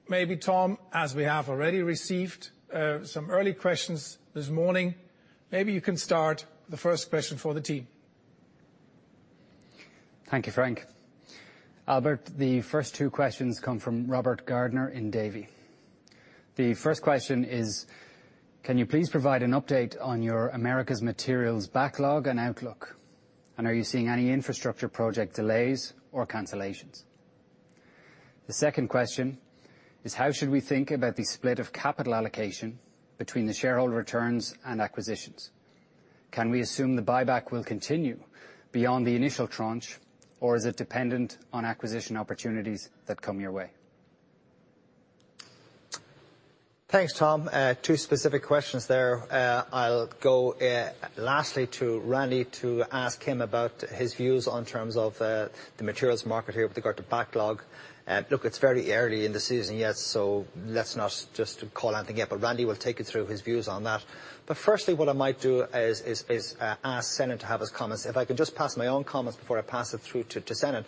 maybe Tom, as we have already received some early questions this morning, maybe you can start the first question for the team. Thank you, Frank. Albert, the first two questions come from Robert Gardiner in Davy. The first question is, can you please provide an update on your Americas Materials backlog and outlook? Are you seeing any infrastructure project delays or cancellations? The second question is, how should we think about the split of capital allocation between the shareholder returns and acquisitions? Can we assume the buyback will continue beyond the initial tranche, or is it dependent on acquisition opportunities that come your way? Thanks, Tom. Two specific questions there. I'll go lastly to Randy to ask him about his views on terms of the materials market here with regard to backlog. Look, it's very early in the season yet, let's not just call anything yet. Randy will take you through his views on that. Firstly, what I might do is ask Senan to have his comments. If I can just pass my own comments before I pass it through to Senan.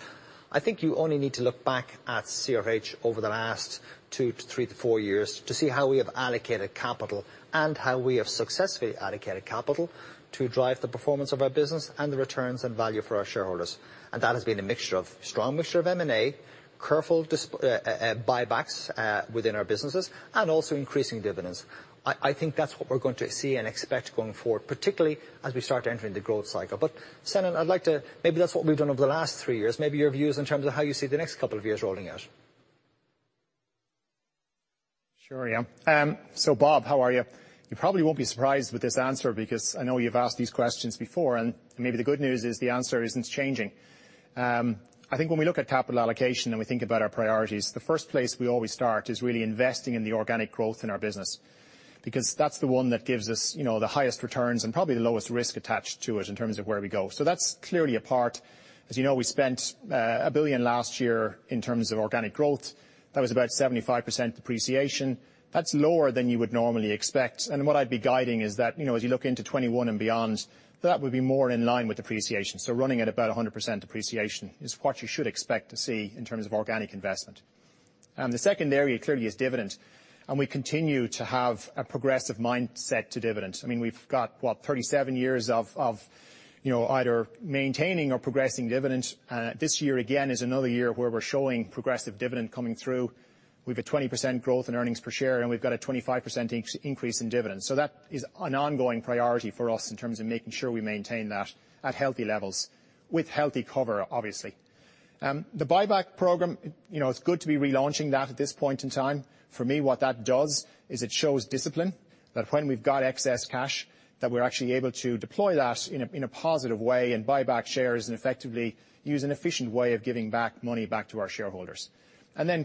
I think you only need to look back at CRH over the last two to three to four years to see how we have allocated capital and how we have successfully allocated capital to drive the performance of our business and the returns and value for our shareholders. That has been a mixture of strong mixture of M&A, careful buybacks within our businesses, and also increasing dividends. I think that's what we're going to see and expect going forward, particularly as we start entering the growth cycle. Senan, maybe that's what we've done over the last three years. Maybe your views in terms of how you see the next couple of years rolling out. Sure, yeah. Bob, how are you? You probably won't be surprised with this answer because I know you've asked these questions before, and maybe the good news is the answer isn't changing. I think when we look at capital allocation and we think about our priorities, the first place we always start is really investing in the organic growth in our business because that's the one that gives us the highest returns and probably the lowest risk attached to it in terms of where we go. That's clearly a part. As you know, we spent a billion last year in terms of organic growth. That was about 75% depreciation. That's lower than you would normally expect. What I'd be guiding is that, as you look into 2021 and beyond, that would be more in line with depreciation. Running at about 100% depreciation is what you should expect to see in terms of organic investment. The second area clearly is dividend. We continue to have a progressive mindset to dividend. We've got, what, 37 years of either maintaining or progressing dividends. This year, again, is another year where we're showing progressive dividend coming through. We've a 20% growth in earnings per share, and we've got a 25% increase in dividends. That is an ongoing priority for us in terms of making sure we maintain that at healthy levels, with healthy cover, obviously. The buyback program, it's good to be relaunching that at this point in time. For me, what that does is it shows discipline. That when we've got excess cash, that we're actually able to deploy that in a positive way and buy back shares, and effectively use an efficient way of giving back money back to our shareholders.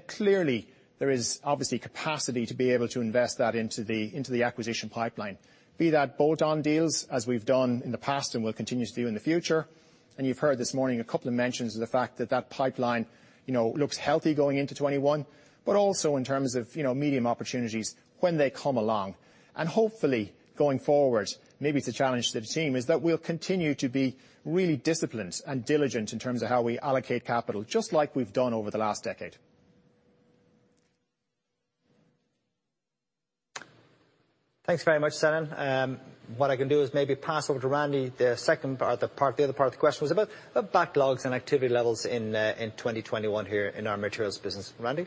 Clearly, there is obviously capacity to be able to invest that into the acquisition pipeline. Be that bolt-on deals, as we've done in the past and will continue to do in the future. You've heard this morning a couple of mentions of the fact that that pipeline looks healthy going into 2021. Also in terms of medium opportunities when they come along. Hopefully going forward, maybe it's a challenge to the team, is that we'll continue to be really disciplined and diligent in terms of how we allocate capital. Just like we've done over the last decade. Thanks very much, Senan. What I can do is maybe pass over to Randy the other part of the question, was about the backlogs and activity levels in 2021 here in our materials business. Randy?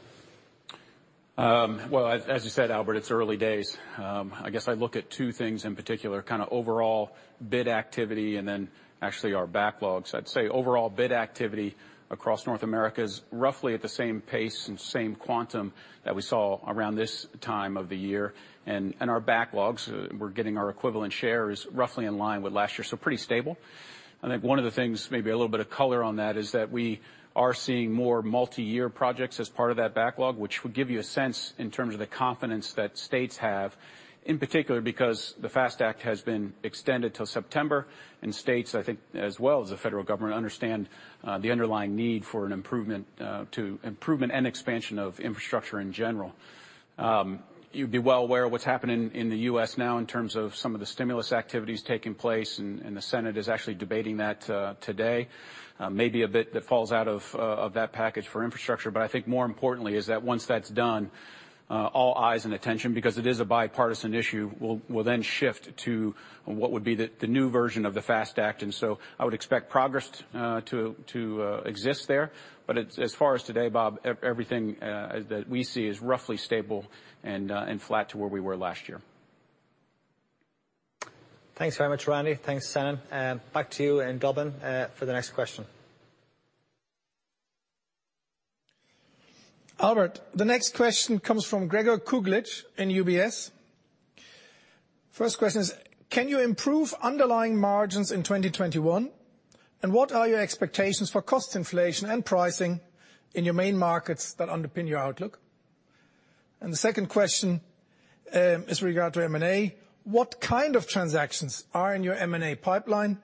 Well, as you said, Albert, it's early days. I guess I look at two things in particular, kind of overall bid activity, then actually our backlogs. I'd say overall bid activity across North America is roughly at the same pace and same quantum that we saw around this time of the year. Our backlogs, we're getting our equivalent shares roughly in line with last year, pretty stable. I think one of the things, maybe a little bit of color on that, is that we are seeing more multi-year projects as part of that backlog, which would give you a sense in terms of the confidence that states have, in particular because the FAST Act has been extended till September. States, I think, as well as the federal government, understand the underlying need for an improvement and expansion of infrastructure in general. You'd be well aware of what's happening in the U.S. now in terms of some of the stimulus activities taking place, and the Senate is actually debating that today. Maybe a bit that falls out of that package for infrastructure. I think more importantly is that once that's done, all eyes and attention, because it is a bipartisan issue, will then shift to what would be the new version of the FAST Act. I would expect progress to exist there. As far as today, Bob, everything that we see is roughly stable and flat to where we were last year. Thanks very much, Randy. Thanks, Senan. Back to you in Dublin for the next question. Albert, the next question comes from Gregor Kuglitsch in UBS. First question is, can you improve underlying margins in 2021? And what are your expectations for cost inflation and pricing in your main markets that underpin your outlook? The second question is regarding M&A. What kind of transactions are in your M&A pipeline?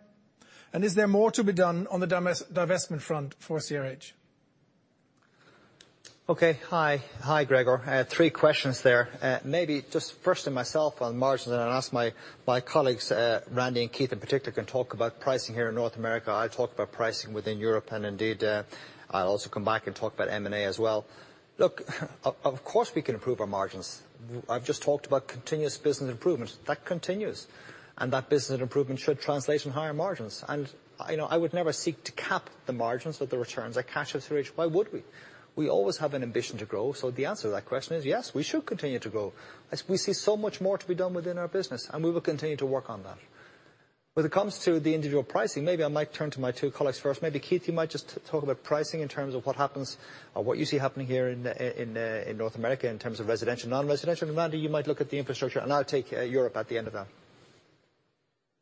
Is there more to be done on the divestment front for CRH? Okay. Hi, Gregor. Three questions there. Maybe just firstly myself on margins. I'll ask my colleagues, Randy and Keith in particular, can talk about pricing here in North America. I'll talk about pricing within Europe. Indeed, I'll also come back and talk about M&A as well. Look, of course, we can improve our margins. I've just talked about continuous business improvement. That continues. That business improvement should translate in higher margins. I would never seek to cap the margins or the returns cash for CRH. Why would we? We always have an ambition to grow. The answer to that question is yes, we should continue to grow. We see so much more to be done within our business, and we will continue to work on that. When it comes to the individual pricing, maybe I might turn to my two colleagues first. Maybe Keith, you might just talk about pricing in terms of what happens or what you see happening here in North America in terms of residential and non-residential. Randy, you might look at the infrastructure, and I'll take Europe at the end of that.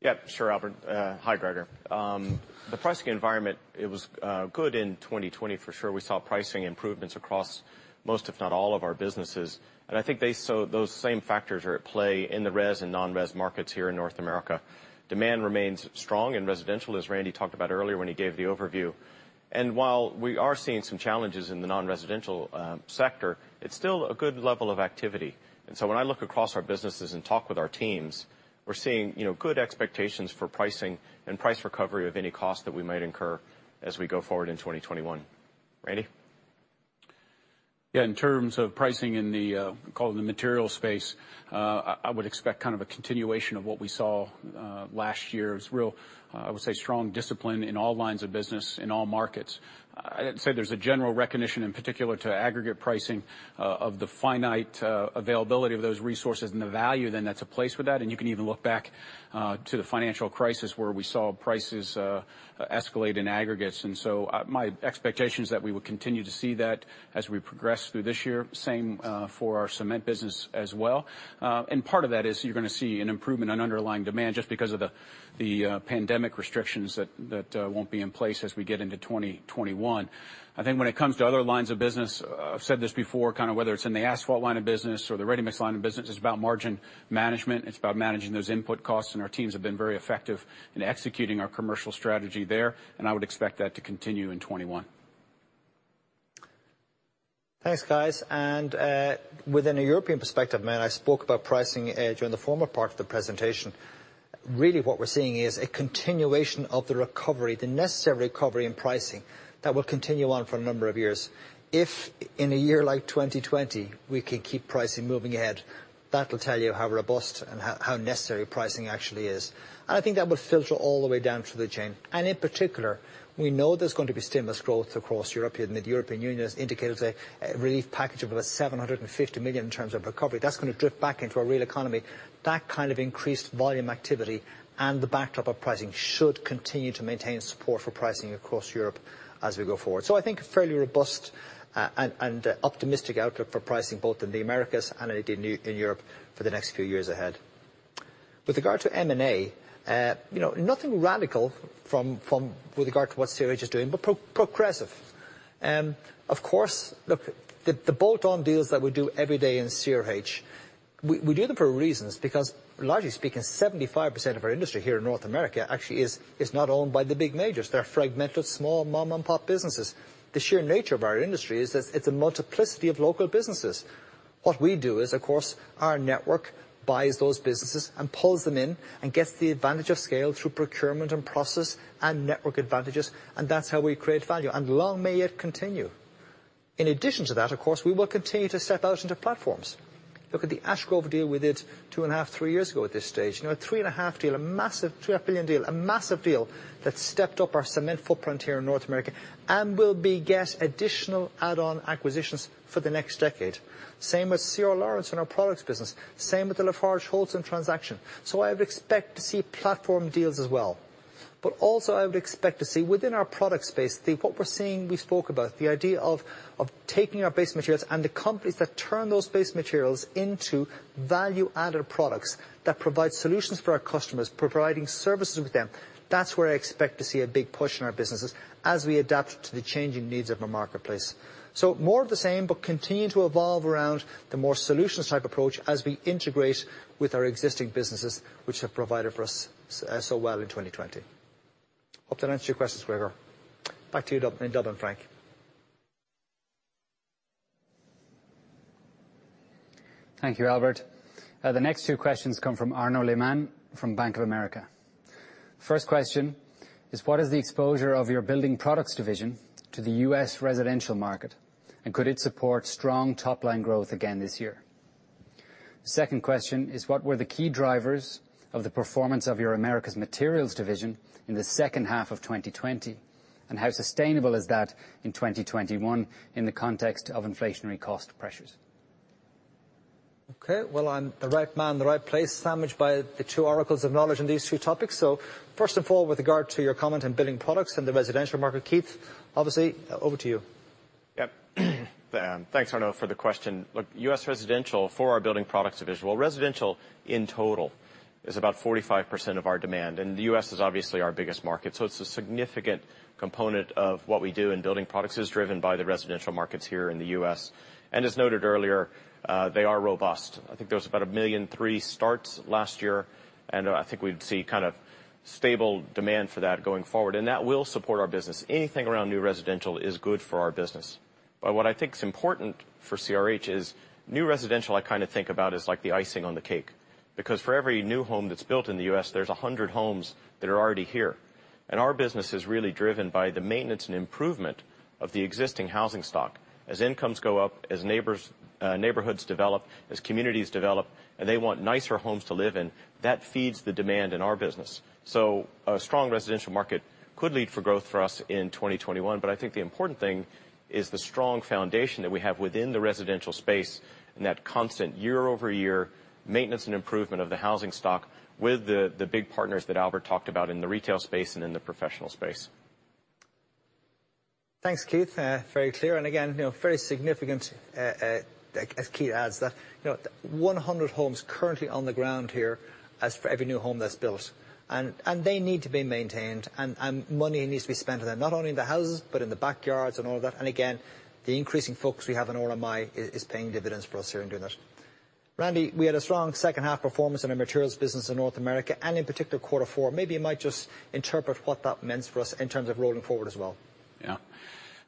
Yeah, sure, Albert. Hi, Gregor. The pricing environment, it was good in 2020 for sure. We saw pricing improvements across most, if not all, of our businesses. I think those same factors are at play in the res and non-res markets here in North America. Demand remains strong in residential, as Randy talked about earlier when he gave the overview. While we are seeing some challenges in the non-residential sector, it's still a good level of activity. When I look across our businesses and talk with our teams, we're seeing good expectations for pricing and price recovery of any cost that we might incur as we go forward in 2021. Randy? Yeah, in terms of pricing in the, call it, the material space, I would expect kind of a continuation of what we saw last year. It was real, I would say, strong discipline in all lines of business, in all markets. I'd say there's a general recognition, in particular to aggregate pricing, of the finite availability of those resources and the value then that's placed with that. You can even look back to the financial crisis where we saw prices escalate in aggregates. My expectation is that we will continue to see that as we progress through this year. Same for our cement business as well. Part of that is you're going to see an improvement on underlying demand just because of the pandemic restrictions that won't be in place as we get into 2021. I think when it comes to other lines of business, I've said this before, kind of whether it's in the asphalt line of business or the ready-mix line of business, it's about margin management. It's about managing those input costs. Our teams have been very effective in executing our commercial strategy there. I would expect that to continue in 2021. Thanks, guys. Within a European perspective, I spoke about pricing during the former part of the presentation. Really what we're seeing is a continuation of the recovery, the necessary recovery in pricing that will continue on for a number of years. If in a year like 2020, we can keep pricing moving ahead, that'll tell you how robust and how necessary pricing actually is. I think that will filter all the way down through the chain. In particular, we know there's going to be stimulus growth across Europe here, and the European Union has indicated a relief package of about 750 million in terms of recovery. That's going to drip back into our real economy. That kind of increased volume activity and the backdrop of pricing should continue to maintain support for pricing across Europe as we go forward. I think a fairly robust and optimistic outlook for pricing, both in the Americas and in Europe for the next few years ahead. With regard to M&A, nothing radical with regard to what CRH is doing, progressive. Of course, look, the bolt-on deals that we do every day in CRH, we do them for reasons because largely speaking, 75% of our industry here in North America actually is not owned by the big majors. They're fragmented, small mom-and-pop businesses. The sheer nature of our industry is that it's a multiplicity of local businesses. What we do is, of course, our network buys those businesses and pulls them in and gets the advantage of scale through procurement and process and network advantages, and that's how we create value. Long may it continue. In addition to that, of course, we will continue to step out into platforms. Look at the Ash Grove deal we did two and a half, three years ago at this stage. A $3.5 billion deal, a massive deal that stepped up our cement footprint here in North America, and will beget additional add-on acquisitions for the next decade. Same with C.R. Laurence in our products business, same with the LafargeHolcim transaction. I would expect to see platform deals as well. Also I would expect to see within our product space, what we're seeing, we spoke about, the idea of taking our base materials and the companies that turn those base materials into value-added products that provide solutions for our customers, providing services with them. That's where I expect to see a big push in our businesses as we adapt to the changing needs of our marketplace. More of the same, but continuing to evolve around the more solutions-type approach as we integrate with our existing businesses, which have provided for us so well in 2020. Hope that answers your questions, Gregor. Back to you in Dublin, Frank. Thank you, Albert. The next two questions come from Arnaud Lehmann from Bank of America. First question is, what is the exposure of your Building Products division to the U.S. residential market, and could it support strong top-line growth again this year? Second question is, what were the key drivers of the performance of your Americas Materials division in the second half of 2020, and how sustainable is that in 2021 in the context of inflationary cost pressures? Okay. Well, I'm the right man in the right place, sandwiched by the two oracles of knowledge on these two topics. First of all, with regard to your comment on Building Products and the residential market, Keith, obviously, over to you. Yep. Thanks, Arnaud, for the question. Look, U.S. residential for our Building Products division. Well, residential in total is about 45% of our demand, and the U.S. is obviously our biggest market. It's a significant component of what we do in Building Products is driven by the residential markets here in the U.S. As noted earlier, they are robust. I think there was about a million and three starts last year, and I think we'd see kind of stable demand for that going forward. That will support our business. Anything around new residential is good for our business. What I think is important for CRH is new residential, I kind of think about as like the icing on the cake. Because for every new home that's built in the U.S., there's 100 homes that are already here. Our business is really driven by the maintenance and improvement of the existing housing stock. As incomes go up, as neighborhoods develop, as communities develop, and they want nicer homes to live in, that feeds the demand in our business. A strong residential market could lead for growth for us in 2021. I think the important thing is the strong foundation that we have within the residential space and that constant year-over-year maintenance and improvement of the housing stock with the big partners that Albert talked about in the retail space and in the professional space. Thanks, Keith. Very clear and again, very significant, as Keith adds that 100 homes currently on the ground here as for every new home that's built. They need to be maintained, and money needs to be spent on them, not only in the houses, but in the backyards and all of that. Again, the increasing focus we have on RMI is paying dividends for us here in doing that. Randy, we had a strong second half performance in our materials business in North America, and in particular, quarter four. Maybe you might just interpret what that meant for us in terms of rolling forward as well. Yeah.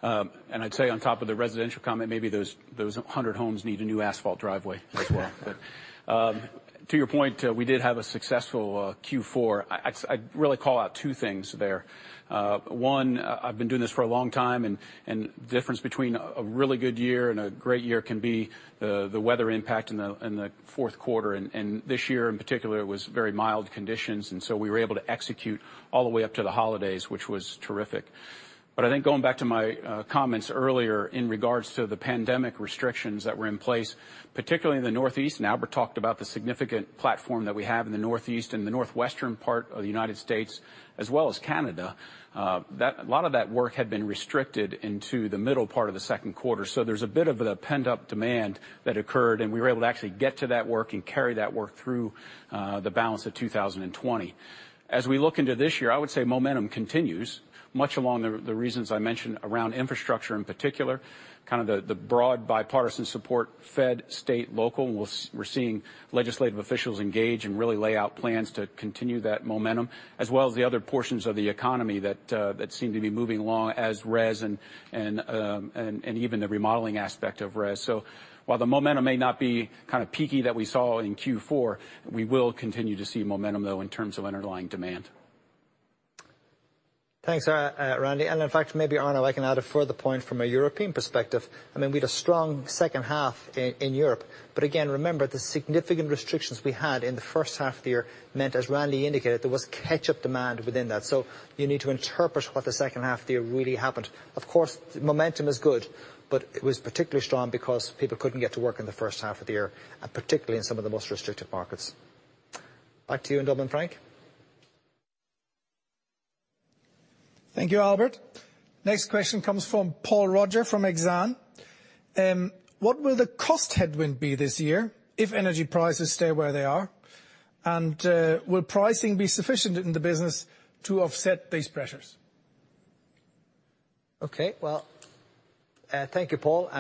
I'd say on top of the residential comment, maybe those 100 homes need a new asphalt driveway as well. To your point, we did have a successful Q4. I'd really call out two things there. One, I've been doing this for a long time, and difference between a really good year and a great year can be the weather impact in the fourth quarter. This year in particular, it was very mild conditions, and so we were able to execute all the way up to the holidays, which was terrific. I think going back to my comments earlier in regards to the pandemic restrictions that were in place, particularly in the Northeast, and Albert talked about the significant platform that we have in the Northeast and the Northwestern part of the United States as well as Canada. A lot of that work had been restricted into the middle part of the second quarter. There's a bit of a pent-up demand that occurred, and we were able to actually get to that work and carry that work through the balance of 2020. We look into this year, I would say momentum continues much along the reasons I mentioned around infrastructure in particular, kind of the broad bipartisan support, fed, state, local. We're seeing legislative officials engage and really lay out plans to continue that momentum, as well as the other portions of the economy that seem to be moving along as res and even the remodeling aspect of res. While the momentum may not be kind of peaky that we saw in Q4, we will continue to see momentum, though, in terms of underlying demand. Thanks, Randy. In fact, maybe, Arnaud, I can add a further point from a European perspective. We had a strong second half in Europe. Again, remember, the significant restrictions we had in the first half of the year meant, as Randy indicated, there was catch-up demand within that. You need to interpret what the second half of the year really happened. Of course, momentum is good, but it was particularly strong because people couldn't get to work in the first half of the year, and particularly in some of the most restricted markets. Back to you in Dublin, Frank. Thank you, Albert. Next question comes from Paul Roger from Exane. What will the cost headwind be this year if energy prices stay where they are? Will pricing be sufficient in the business to offset these pressures? Okay. Well, thank you, Paul.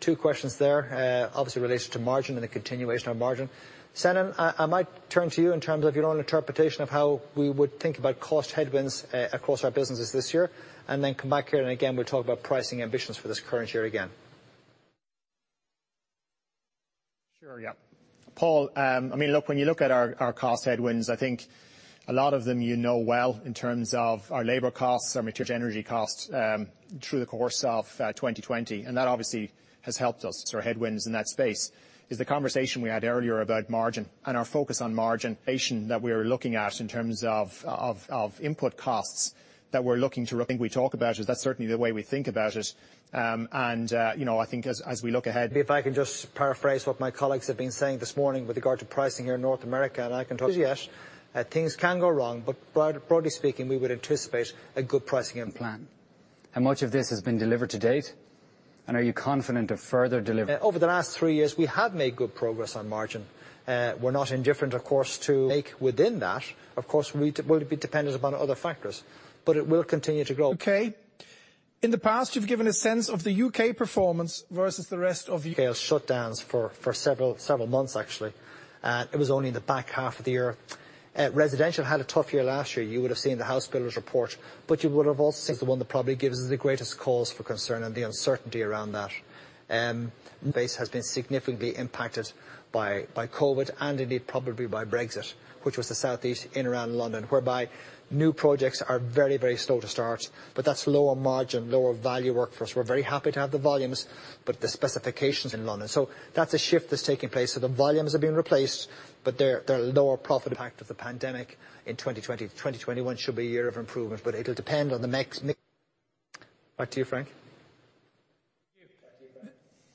Two questions there, obviously related to margin and a continuation of margin. Senan, I might turn to you in terms of your own interpretation of how we would think about cost headwinds across our businesses this year, and then come back here, and again, we will talk about pricing ambitions for this current year again. Sure. Yeah. Paul, when you look at our cost headwinds, I think a lot of them you know well in terms of our labor costs, our material energy costs through the course of 2020. That obviously has helped us. Headwinds in that space is the conversation we had earlier about margin and our focus on margin that we are looking at in terms of input costs that we're looking to, I think we talk about is that's certainly the way we think about it. I think as we look ahead. If I can just paraphrase what my colleagues have been saying this morning with regard to pricing here in North America. Yes, things can go wrong, but broadly speaking, we would anticipate a good pricing in plan. Much of this has been delivered to date, and are you confident of further delivery? Over the last three years, we have made good progress on margin. We're not indifferent, of course, to make within that. Of course, we would be dependent upon other factors, but it will continue to grow. U.K. In the past, you've given a sense of the U.K. performance versus the rest of U.K.- Shut downs for several months, actually. It was only in the back half of the year. Residential had a tough year last year. You would have seen the house builder's report, but you would have also seen the one that probably gives the greatest cause for concern and the uncertainty around that. Base has been significantly impacted by COVID, and indeed, probably by Brexit, which was the Southeast in around London, whereby new projects are very slow to start, but that's lower margin, lower value work for us. We're very happy to have the volumes, but the specifications in London. That's a shift that's taking place. The volumes have been replaced, but they're lower profit impact of the pandemic in 2020. 2021 should be a year of improvement, but it'll depend on the next. [audio distortion] Back to you, Frank.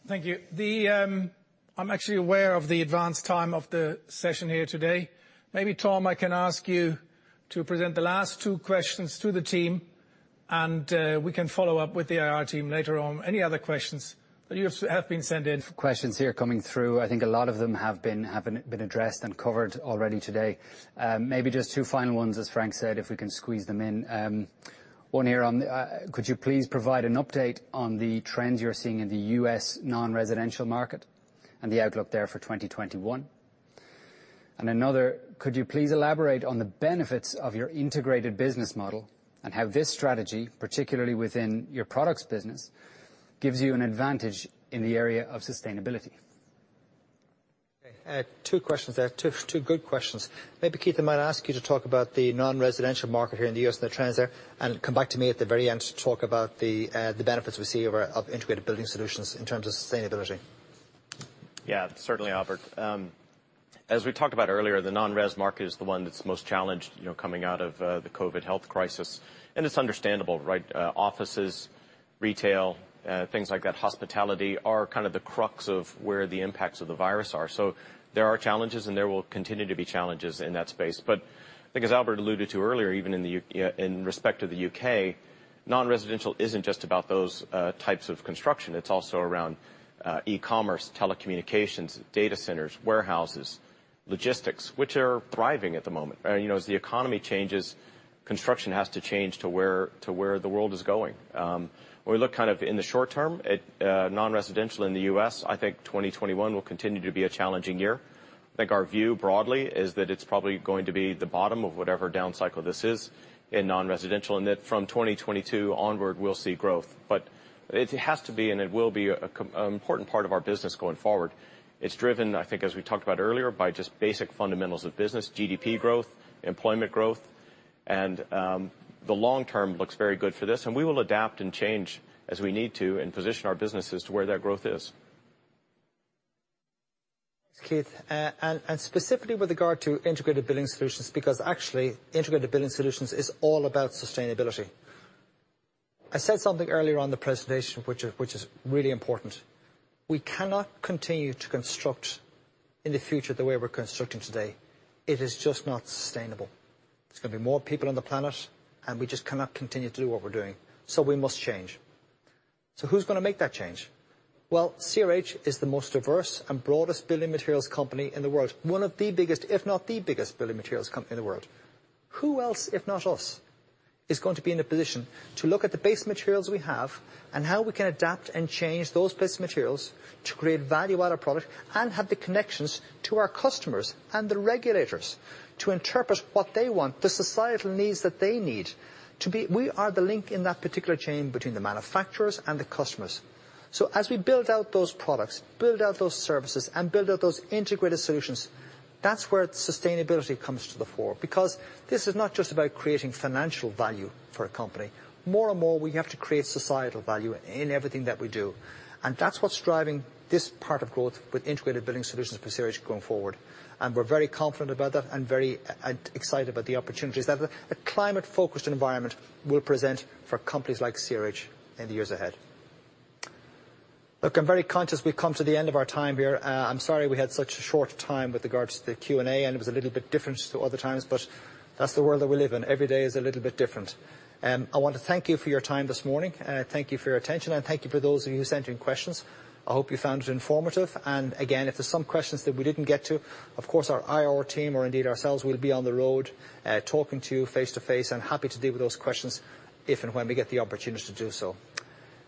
Thank you. I'm actually aware of the advanced time of the session here today. Maybe Tom, I can ask you to present the last two questions to the team, and we can follow up with the IR team later on. Any other questions that have been sent in? Questions here coming through. I think a lot of them have been addressed and covered already today. Maybe just two final ones, as Frank said, if we can squeeze them in. One here on, could you please provide an update on the trends you're seeing in the U.S. non-residential market and the outlook there for 2021? Another, could you please elaborate on the benefits of your integrated business model and how this strategy, particularly within your products business, gives you an advantage in the area of sustainability? Okay. Two questions there. Two good questions. Maybe Keith, I might ask you to talk about the non-residential market here in the U.S. and the trends there, and come back to me at the very end to talk about the benefits we see of integrated building solutions in terms of sustainability. Yeah. Certainly, Albert. As we talked about earlier, the non-residential market is the one that's most challenged coming out of the COVID health crisis, and it's understandable, right? Offices, retail, things like that, hospitality, are kind of the crux of where the impacts of the virus are. There are challenges, and there will continue to be challenges in that space. I think as Albert alluded to earlier, even in respect to the U.K., non-residential isn't just about those types of construction. It's also around e-commerce, telecommunications, data centers, warehouses, logistics, which are thriving at the moment. As the economy changes, construction has to change to where the world is going. When we look kind of in the short term at non-residential in the U.S., I think 2021 will continue to be a challenging year. I think our view broadly is that it's probably going to be the bottom of whatever down cycle this is in non-residential, and that from 2022 onward, we'll see growth. It has to be, and it will be an important part of our business going forward. It's driven, I think as we talked about earlier, by just basic fundamentals of business, GDP growth, employment growth, and the long term looks very good for this. We will adapt and change as we need to and position our businesses to where that growth is. Thanks, Keith. Specifically with regard to integrated building solutions, because actually integrated building solutions is all about sustainability. I said something earlier on in the presentation, which is really important. We cannot continue to construct in the future the way we're constructing today. It is just not sustainable. There's going to be more people on the planet, and we just cannot continue to do what we're doing. We must change. Who's going to make that change? Well, CRH is the most diverse and broadest building materials company in the world. One of the biggest, if not the biggest building materials company in the world. Who else, if not us, is going to be in a position to look at the base materials we have and how we can adapt and change those base materials to create value out of product and have the connections to our customers and the regulators to interpret what they want, the societal needs that they need. We are the link in that particular chain between the manufacturers and the customers. As we build out those products, build out those services, and build out those integrated solutions, that's where sustainability comes to the fore. Because this is not just about creating financial value for a company. More and more, we have to create societal value in everything that we do. That's what's driving this part of growth with integrated building solutions for CRH going forward. We're very confident about that and very excited about the opportunities that a climate-focused environment will present for companies like CRH in the years ahead. Look, I'm very conscious we've come to the end of our time here. I'm sorry we had such a short time with regards to the Q&A, and it was a little bit different to other times, but that's the world that we live in. Every day is a little bit different. I want to thank you for your time this morning. Thank you for your attention, and thank you for those of you who sent in questions. I hope you found it informative. Again, if there's some questions that we didn't get to, of course, our IR team, or indeed ourselves, will be on the road talking to you face to face and happy to deal with those questions if and when we get the opportunity to do so.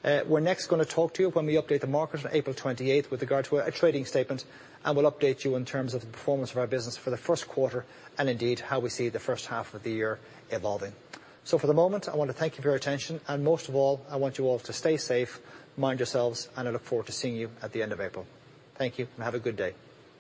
We're next going to talk to you when we update the market on April 28th with regard to a trading statement, and we'll update you in terms of the performance of our business for the first quarter, and indeed, how we see the first half of the year evolving. For the moment, I want to thank you for your attention, and most of all, I want you all to stay safe, mind yourselves, and I look forward to seeing you at the end of April. Thank you, and have a good day.